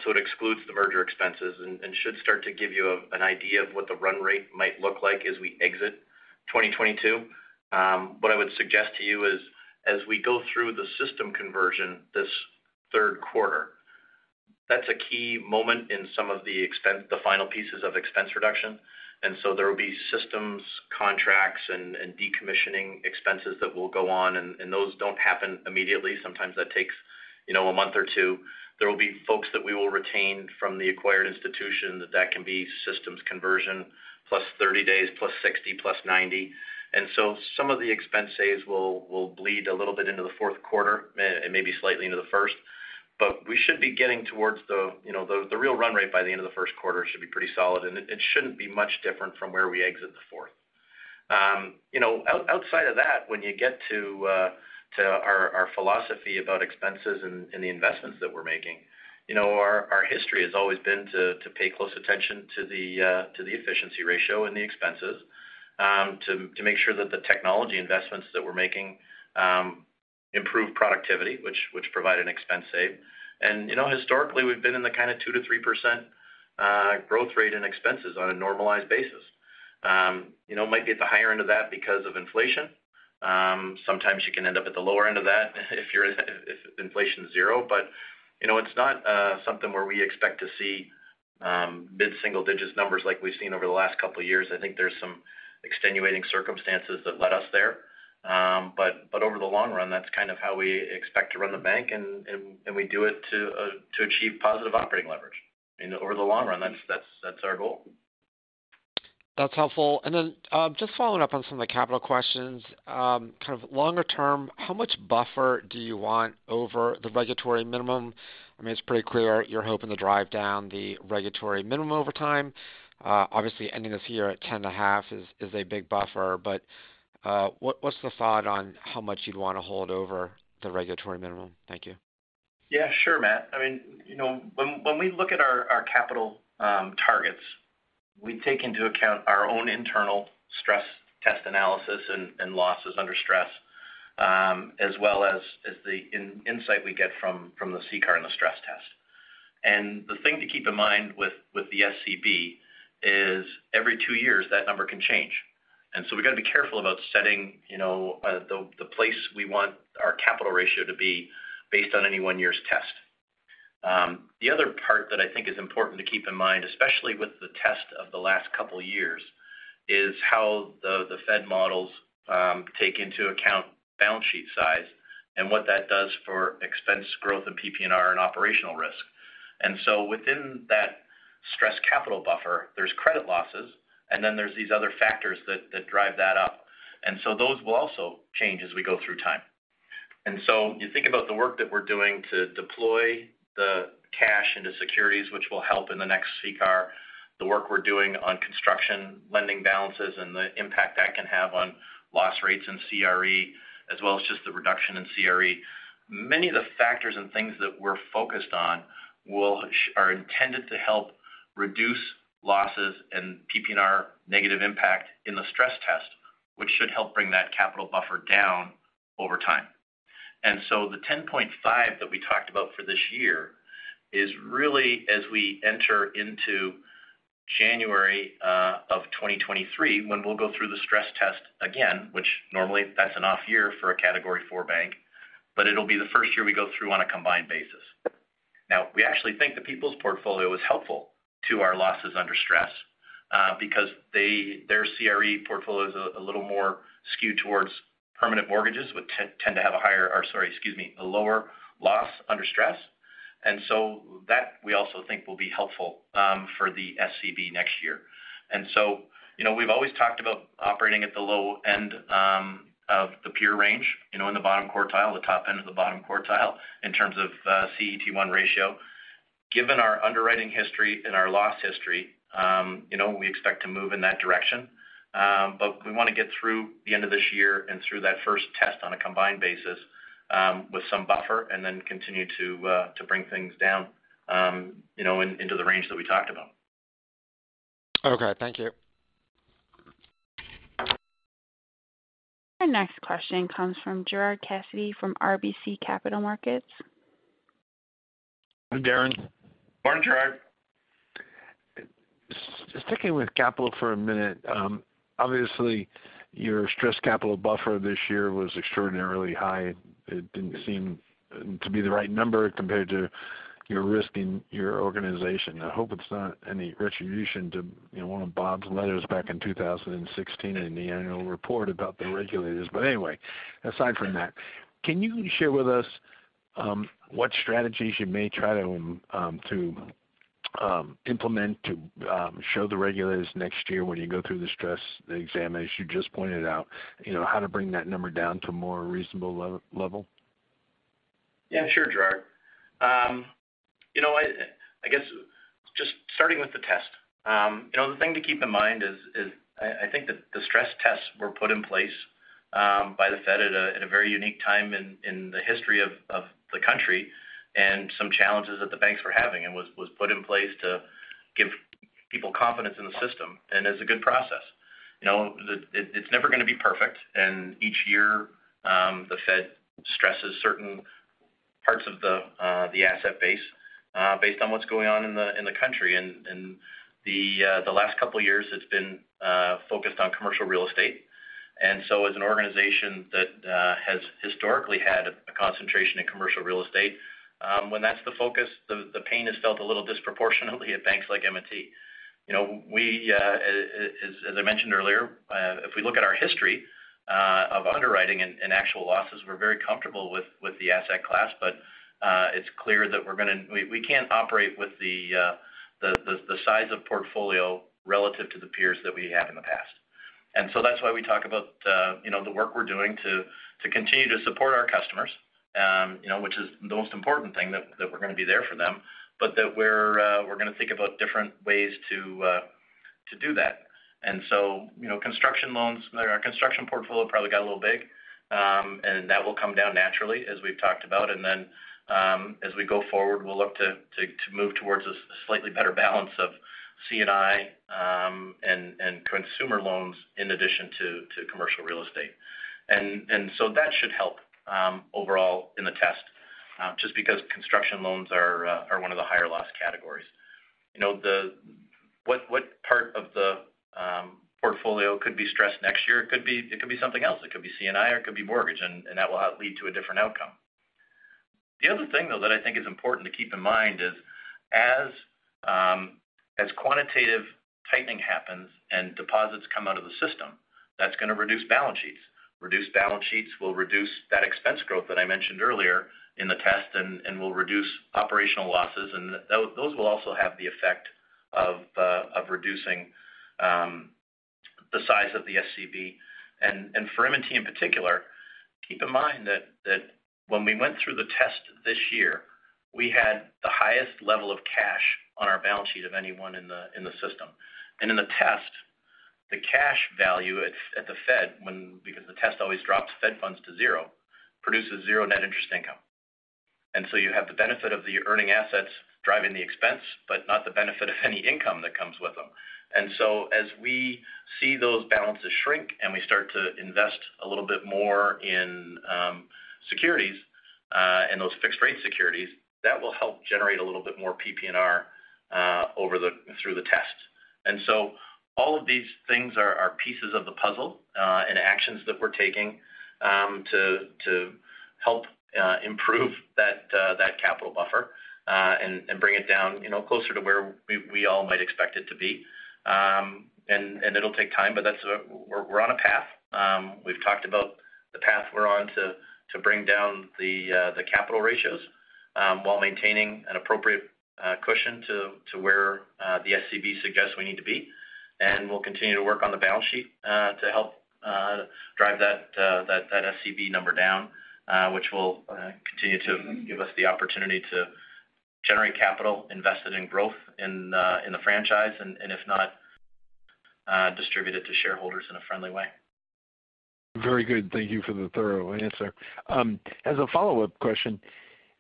so it excludes the merger expenses and should start to give you an idea of what the run rate might look like as we exit 2022. What I would suggest to you is as we go through the system conversion this Q3, that's a key moment in the final pieces of expense reduction. There will be systems, contracts, and decommissioning expenses that will go on, and those don't happen immediately. Sometimes that takes, you know, a month or 2. There will be folks that we will retain from the acquired institution that can be systems conversion +30 days, +60, +90. Some of the expense saves will bleed a little bit into the Q4 and maybe slightly into the first. We should be getting towards the, you know, the real run rate by the end of the Q1 should be pretty solid, and it shouldn't be much different from where we exit the 4th. You know, outside of that, when you get to our philosophy about expenses and the investments that we're making, you know, our history has always been to pay close attention to the efficiency ratio and the expenses, to make sure that the technology investments that we're making improve productivity, which provide an expense save. You know, historically, we've been in the kind of 2%-3% growth rate in expenses on a normalized basis. You know, might be at the higher end of that because of inflation. Sometimes you can end up at the lower end of that if inflation's 0. You know, it's not something where we expect to see mid-single digits numbers like we've seen over the last couple of years. I think there's some extenuating circumstances that led us there. Over the long run, that's kind of how we expect to run the bank and we do it to achieve positive operating leverage. You know, over the long run, that's our goal. That's helpful. Just following up on some of the capital questions. Kind of longer term, how much buffer do you want over the regulatory minimum? I mean, it's pretty clear you're hoping to drive down the regulatory minimum over time. Obviously ending this year at 10.5% is a big buffer. What's the thought on how much you'd want to hold over the regulatory minimum? Thank you. Yeah, sure, Matt. I mean, you know, when we look at our capital targets, we take into account our own internal stress test analysis and losses under stress, as well as the insight we get from the CCAR and the stress test. The thing to keep in mind with the SCB is every 2 years, that number can change. We've got to be careful about setting, you know, the place we want our capital ratio to be based on any 1 year's test. The other part that I think is important to keep in mind, especially with the test of the last couple years, is how the Fed models take into account balance sheet size and what that does for expense growth in PPNR and operational risk. Within that stress capital buffer, there's credit losses, and then there's these other factors that drive that up. Those will also change as we go through time. You think about the work that we're doing to deploy the cash into securities, which will help in the next CCAR, the work we're doing on construction lending balances and the impact that can have on loss rates and CRE, as well as just the reduction in CRE. Many of the factors and things that we're focused on are intended to help reduce losses and PPNR negative impact in the stress test, which should help bring that capital buffer down over time. The 10.5 that we talked about for this year is really as we enter into January of 2023, when we'll go through the stress test again, which normally that's an off year for a Category IV bank, but it'll be the 1st year we go through on a combined basis. Now, we actually think the People's portfolio is helpful to our losses under stress, because their CRE portfolio is a little more skewed towards permanent mortgages, which tend to have a lower loss under stress. That we also think will be helpful for the SCB next year. You know, we've always talked about operating at the low end of the peer range, you know, in the bottom quartile, the top end of the bottom quartile in terms of CET1 ratio. Given our underwriting history and our loss history, you know, we expect to move in that direction. We want to get through the end of this year and through that first test on a combined basis with some buffer and then continue to bring things down, you know, into the range that we talked about. Okay. Thank you. Our next question comes from Gerard Cassidy from RBC Capital Markets. Hi, Darren. Morning, Gerard. Sticking with capital for a minute. Obviously your stress capital buffer this year was extraordinarily high. It didn't seem to be the right number compared to. You're risking your organization. I hope it's not any retribution to, you know, 1 of Bob's letters back in 2016 in the annual report about the regulators. Anyway, aside from that, can you share with us what strategies you may try to implement to show the regulators next year when you go through the stress test exam, as you just pointed out, you know, how to bring that number down to a more reasonable level? Yeah, sure, Gerard. You know what? I guess just starting with the test. You know, the thing to keep in mind is I think that the stress tests were put in place by the Fed at a very unique time in the history of the country and some challenges that the banks were having. It was put in place to give people confidence in the system, and it's a good process. You know, it's never going to be perfect. Each year, the Fed stresses certain parts of the asset base based on what's going on in the country. The last couple of years, it's been focused on commercial real estate. As an organization that has historically had a concentration in commercial real estate, when that's the focus, the pain is felt a little disproportionately at banks like M&T. You know, as I mentioned earlier, if we look at our history of underwriting and actual losses, we're very comfortable with the asset class. It's clear that we can't operate with the size of portfolio relative to the peers that we had in the past. That's why we talk about you know, the work we're doing to continue to support our customers, you know, which is the most important thing that we're going to be there for them. That we're going to think about different ways to do that. You know, construction loans, our construction portfolio probably got a little big, and that will come down naturally as we've talked about. As we go forward, we'll look to move towards a slightly better balance of C&I and consumer loans in addition to commercial real estate. That should help overall in the test just because construction loans are one of the higher loss categories. You know, what part of the portfolio could be stressed next year? It could be something else. It could be C&I, or it could be mortgage, and that will lead to a different outcome. The other thing, though, that I think is important to keep in mind is as quantitative tightening happens and deposits come out of the system, that's going to reduce balance sheets. Reduced balance sheets will reduce that expense growth that I mentioned earlier in the test and will reduce operational losses. Those will also have the effect of reducing the size of the SCB. For M&T in particular, keep in mind that when we went through the test this year, we had the highest level of cash on our balance sheet of anyone in the system. In the test, the cash value at the Fed when because the test always drops Fed funds to 0, produces 0 net interest income. You have the benefit of the earning assets driving the expense, but not the benefit of any income that comes with them. As we see those balances shrink and we start to invest a little bit more in securities in those fixed rate securities, that will help generate a little bit more PPNR through the test. All of these things are pieces of the puzzle and actions that we're taking to help improve that capital buffer and bring it down, you know, closer to where we all might expect it to be. It'll take time, but we're on a path. We've talked about the path we're on to bring down the capital ratios, while maintaining an appropriate cushion to where the SCB suggests we need to be. We'll continue to work on the balance sheet to help drive that SCB number down, which will continue to give us the opportunity to generate capital invested in growth in the franchise, and if not, distribute it to shareholders in a friendly way. Very good. Thank you for the thorough answer. As a follow-up question,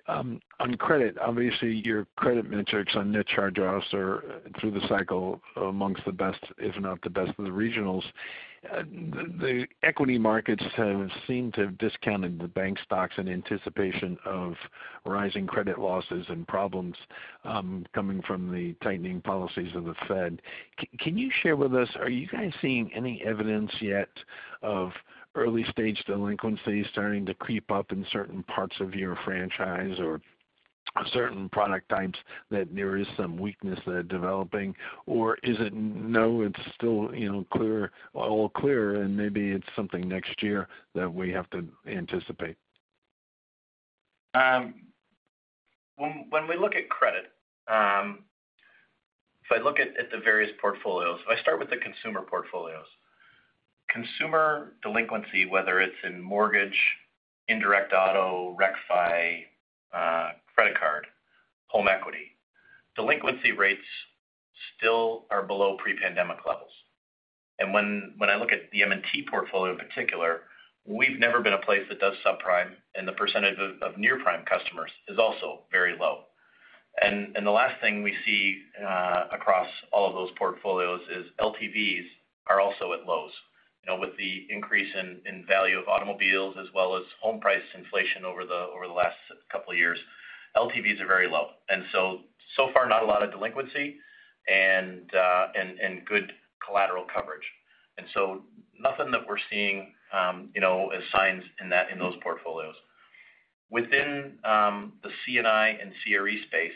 on credit, obviously your credit metrics on net charge-offs are through the cycle amongst the best, if not the best of the regionals. The equity markets have seemed to have discounted the bank stocks in anticipation of rising credit losses and problems, coming from the tightening policies of the Fed. Can you share with us, are you guys seeing any evidence yet of early-stage delinquencies starting to creep up in certain parts of your franchise or certain product types that there is some weakness that are developing? Or is it, no, it's still, you know, clear, all clear, and maybe it's something next year that we have to anticipate? When we look at credit, if I look at the various portfolios, if I start with the consumer portfolios. Consumer delinquency, whether it's in mortgage, indirect auto, RecFi, credit card, home equity, delinquency rates still are below pre-pandemic levels. When I look at the M&T portfolio in particular, we've never been a place that does subprime, and the percentage of near-prime customers is also very low. The last thing we see across all of those portfolios is LTVs are also at lows. You know, with the increase in value of automobiles as well as home price inflation over the last couple of years, LTVs are very low. So far, not a lot of delinquency and good collateral coverage. Nothing that we're seeing, you know, as signs in those portfolios. Within the C&I and CRE space,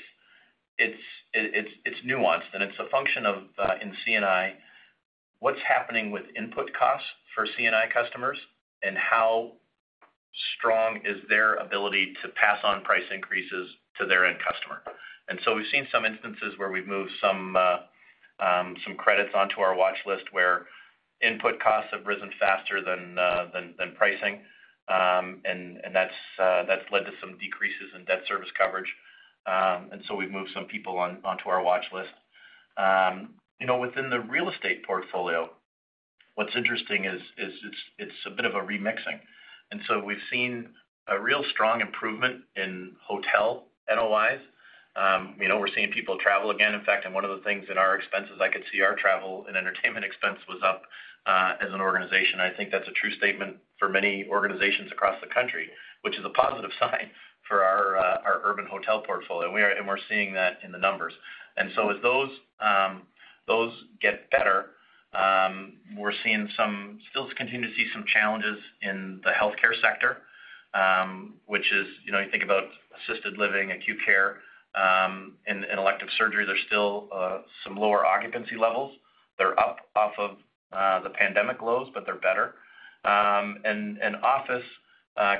it's nuanced, and it's a function of in C&I what's happening with input costs for C&I customers and how strong is their ability to pass on price increases to their end customer. We've seen some instances where we've moved some credits onto our watch list where input costs have risen faster than pricing. That's led to some decreases in debt service coverage. We've moved some people onto our watch list. You know, within the real estate portfolio, what's interesting is it's a bit of a remixing. We've seen a real strong improvement in hotel NOIs. You know, we're seeing people travel again, in fact. One of the things in our expenses, I could see our travel and entertainment expense was up, as an organization. I think that's a true statement for many organizations across the country, which is a positive sign for our urban hotel portfolio. We're seeing that in the numbers. As those get better, we're still continuing to see some challenges in the healthcare sector, which is, you know, you think about assisted living, acute care, and elective surgery. There's still some lower occupancy levels. They're up off of the pandemic lows, but they're better. Office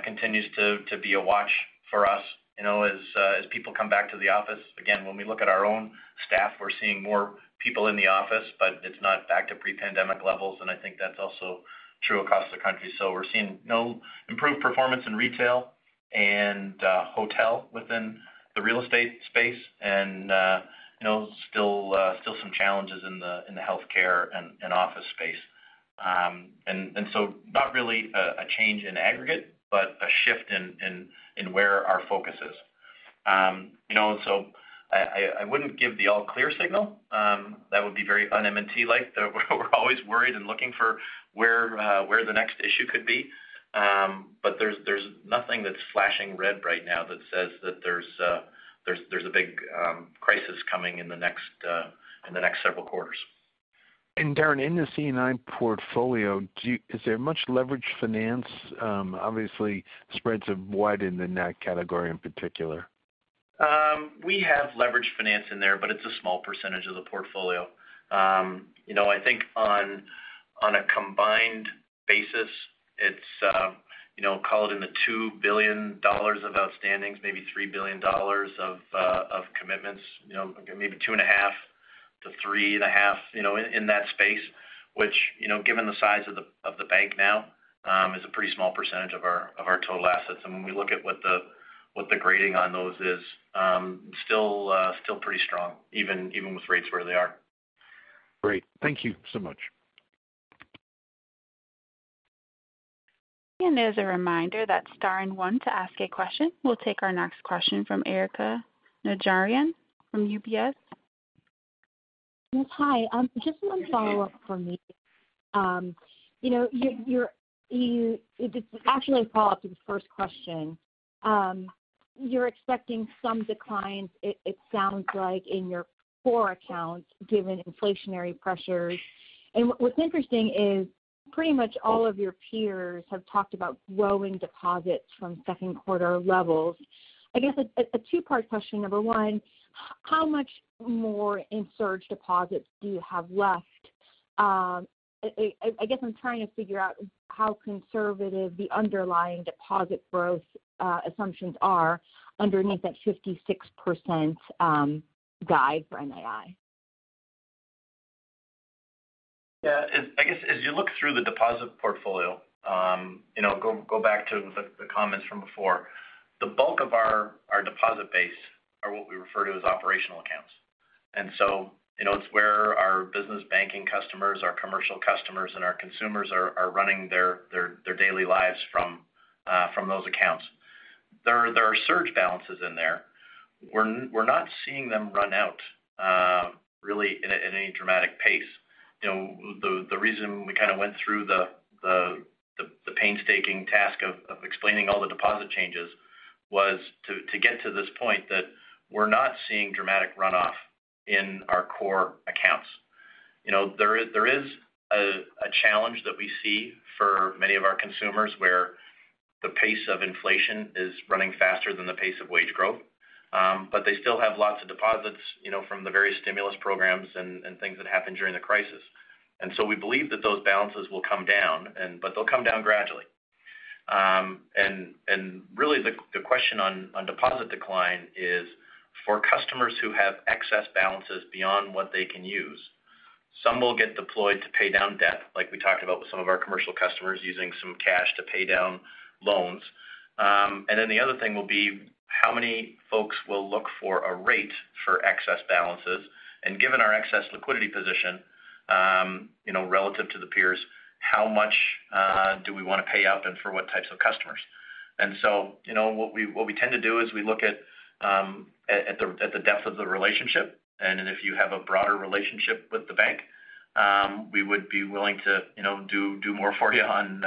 continues to be a watch for us, you know, as people come back to the office. Again, when we look at our own staff, we're seeing more people in the office, but it's not back to pre-pandemic levels, and I think that's also true across the country. We're seeing an improved performance in retail and hotel within the real estate space and, you know, still some challenges in the healthcare and office space. Not really a change in aggregate, but a shift in where our focus is. You know, I wouldn't give the all clear signal. That would be very un-M&T like. We're always worried and looking for where the next issue could be. There's nothing that's flashing red right now that says that there's a big crisis coming in the next several quarters. Darren, in the C&I portfolio, is there much leverage finance? Obviously, spreads have widened in that category in particular. We have leveraged finance in there, but it's a small percentage of the portfolio. You know, I think on a combined basis, it's you know, call it $2 billion of outstandings, maybe $3 billion of commitments. You know, maybe $2.5 billion-$3.5 billion, you know, in that space. Which you know, given the size of the bank now, is a pretty small percentage of our total assets. When we look at what the grading on those is, still pretty strong, even with rates where they are. Great. Thank you so much. As a reminder, that's star and one to ask a question. We'll take our next question from Erika Najarian from UBS. Yes. Hi. Just 1 follow-up for me. It's actually a follow-up to the first question. You're expecting some declines, it sounds like, in your core accounts given inflationary pressures. What's interesting is pretty much all of your peers have talked about growing deposits from Q2 levels. I guess a 2-part question. Number 1, how much more in surge deposits do you have left? I guess I'm trying to figure out how conservative the underlying deposit growth assumptions are underneath that 56% guide for NII. Yeah. I guess as you look through the deposit portfolio, you know, go back to the comments from before. The bulk of our deposit base are what we refer to as operational accounts. You know, it's where our business banking customers, our commercial customers, and our consumers are running their daily lives from those accounts. There are surge balances in there. We're not seeing them run out really in any dramatic pace. You know, the reason we kinda went through the painstaking task of explaining all the deposit changes was to get to this point that we're not seeing dramatic runoff in our core accounts. You know, there is a challenge that we see for many of our consumers, where the pace of inflation is running faster than the pace of wage growth. They still have lots of deposits, you know, from the various stimulus programs and things that happened during the crisis. We believe that those balances will come down, but they'll come down gradually. Really, the question on deposit decline is for customers who have excess balances beyond what they can use. Some will get deployed to pay down debt, like we talked about with some of our commercial customers using some cash to pay down loans. The other thing will be how many folks will look for a rate for excess balances. Given our excess liquidity position, you know, relative to the peers, how much do we wanna pay up and for what types of customers? You know, what we tend to do is we look at the depth of the relationship. If you have a broader relationship with the bank, we would be willing to, you know, do more for you on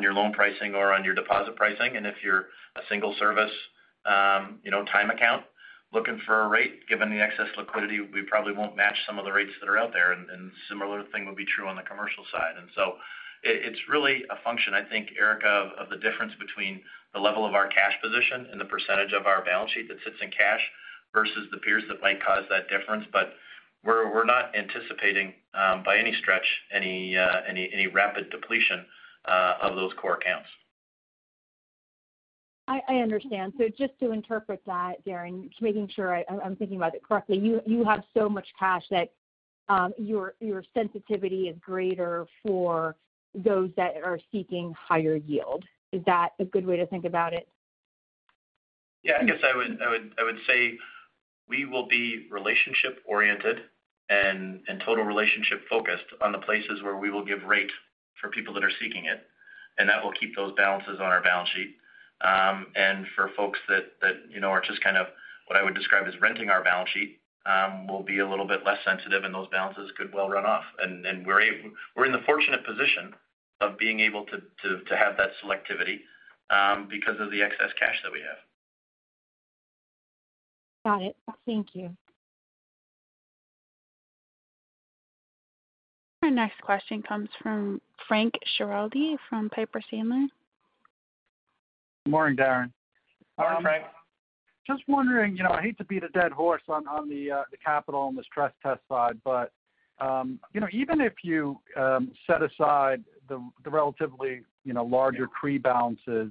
your loan pricing or on your deposit pricing. If you're a single service, you know, time account looking for a rate. Given the excess liquidity, we probably won't match some of the rates that are out there. A similar thing would be true on the commercial side. It's really a function, I think, Erika, of the difference between the level of our cash position and the percentage of our balance sheet that sits in cash versus the peers that might cause that difference. We're not anticipating, by any stretch, any rapid depletion of those core accounts. I understand. Just to interpret that, Darren, just making sure I'm thinking about it correctly. You have so much cash that your sensitivity is greater for those that are seeking higher yield. Is that a good way to think about it? Yeah, I guess I would say we will be relationship oriented and total relationship focused on the places where we will give rate for people that are seeking it. That will keep those balances on our balance sheet. For folks that you know are just kind of what I would describe as renting our balance sheet, will be a little bit less sensitive and those balances could well run off. We're in the fortunate position of being able to have that selectivity because of the excess cash that we have. Got it. Thank you. Our next question comes from Frank Schiraldi from Piper Sandler. Morning, Darren. Morning, Frank. Just wondering, you know, I hate to beat a dead horse on the capital and the stress test side, but you know, even if you set aside the relatively larger CRE balances,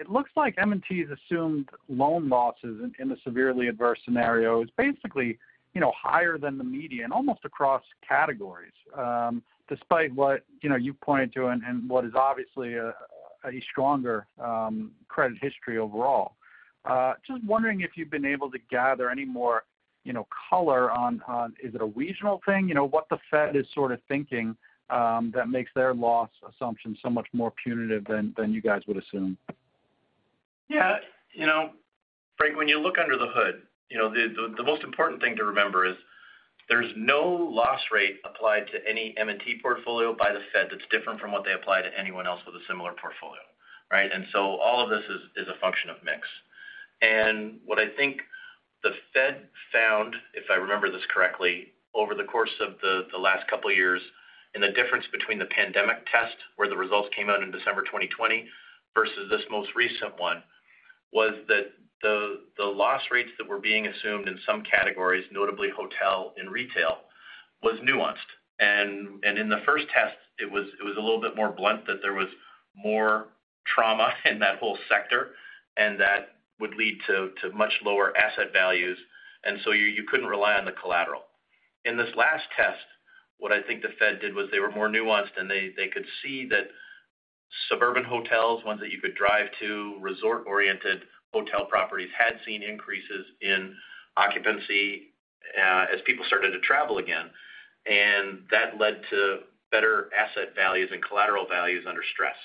it looks like M&T's assumed loan losses in the severely adverse scenario is basically higher than the median, almost across categories, despite what you pointed to and what is obviously a stronger credit history overall. Just wondering if you've been able to gather any more color on, is it a regional thing? You know, what the Fed is sort of thinking that makes their loss assumptions so much more punitive than you guys would assume. Yeah. You know, Frank, when you look under the hood, you know, the most important thing to remember is there's no loss rate applied to any M&T portfolio by the Fed that's different from what they apply to anyone else with a similar portfolio, right? So all of this is a function of mix. What I think the Fed found, if I remember this correctly, over the course of the last couple of years and the difference between the pandemic test, where the results came out in December 2020, versus this most recent one, was that the loss rates that were being assumed in some categories, notably hotel and retail, was nuanced. In the first test it was a little bit more blunt that there was more trauma in that whole sector and that would lead to much lower asset values. You couldn't rely on the collateral. In this last test, what I think the Fed did was they were more nuanced and they could see that suburban hotels, ones that you could drive to, resort-oriented hotel properties had seen increases in occupancy, as people started to travel again. That led to better asset values and collateral values under stress.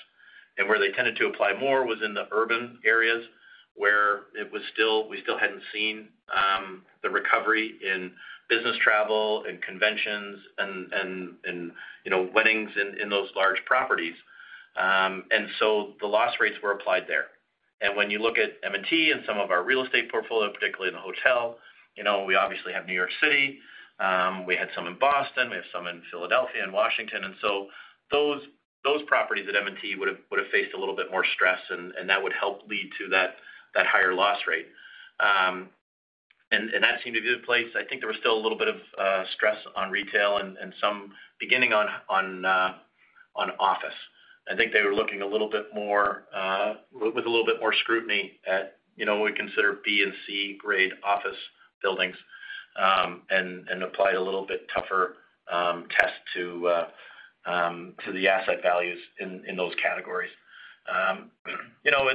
Where they tended to apply more was in the urban areas where it was still we still hadn't seen the recovery in business travel and conventions and, you know, weddings in those large properties. The loss rates were applied there. When you look at M&T and some of our real estate portfolio, particularly in the hotel, you know, we obviously have New York City. We had some in Boston. We have some in Philadelphia and Washington. Those properties at M&T would have faced a little bit more stress and that would help lead to that higher loss rate. That seemed to be the place. I think there was still a little bit of stress on retail and some beginning on office. I think they were looking a little bit more with a little bit more scrutiny at, you know, what we consider B and C grade office buildings and applied a little bit tougher test to the asset values in those categories. You know,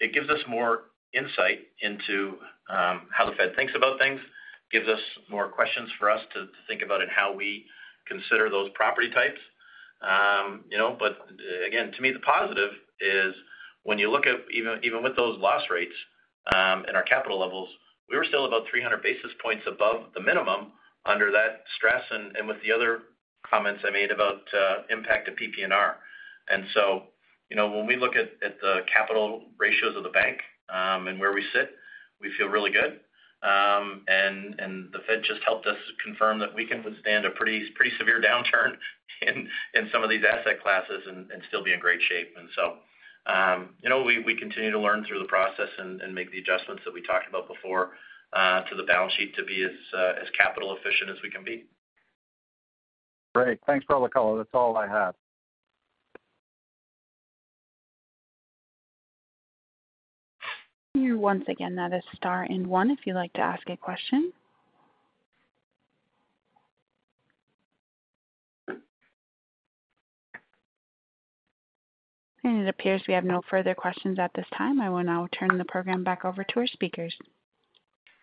it gives us more insight into how the Fed thinks about things. It gives us more questions for us to think about in how we consider those property types. You know, but again, to me, the positive is when you look at even with those loss rates and our capital levels, we were still about 300 basis points above the minimum under that stress and with the other comments I made about impact of PPNR. You know, when we look at the capital ratios of the bank and where we sit, we feel really good. The Fed just helped us confirm that we can withstand a pretty severe downturn in some of these asset classes and still be in great shape. you know, we continue to learn through the process and make the adjustments that we talked about before, to the balance sheet to be as capital efficient as we can be. Great. Thanks for all the color. That's all I have. Once again, that is star and one if you'd like to ask a question. It appears we have no further questions at this time. I will now turn the program back over to our speakers.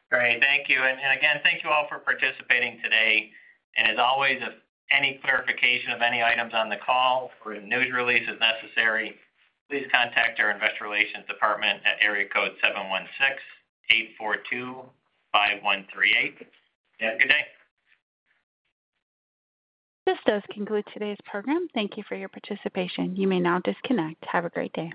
Great. Thank you. Again, thank you all for participating today. As always, if any clarification of any items on the call or a news release is necessary, please contact our investor relations department at area code 716-842-5138. You have a good day. This does conclude today's program. Thank you for your participation. You may now disconnect. Have a great day.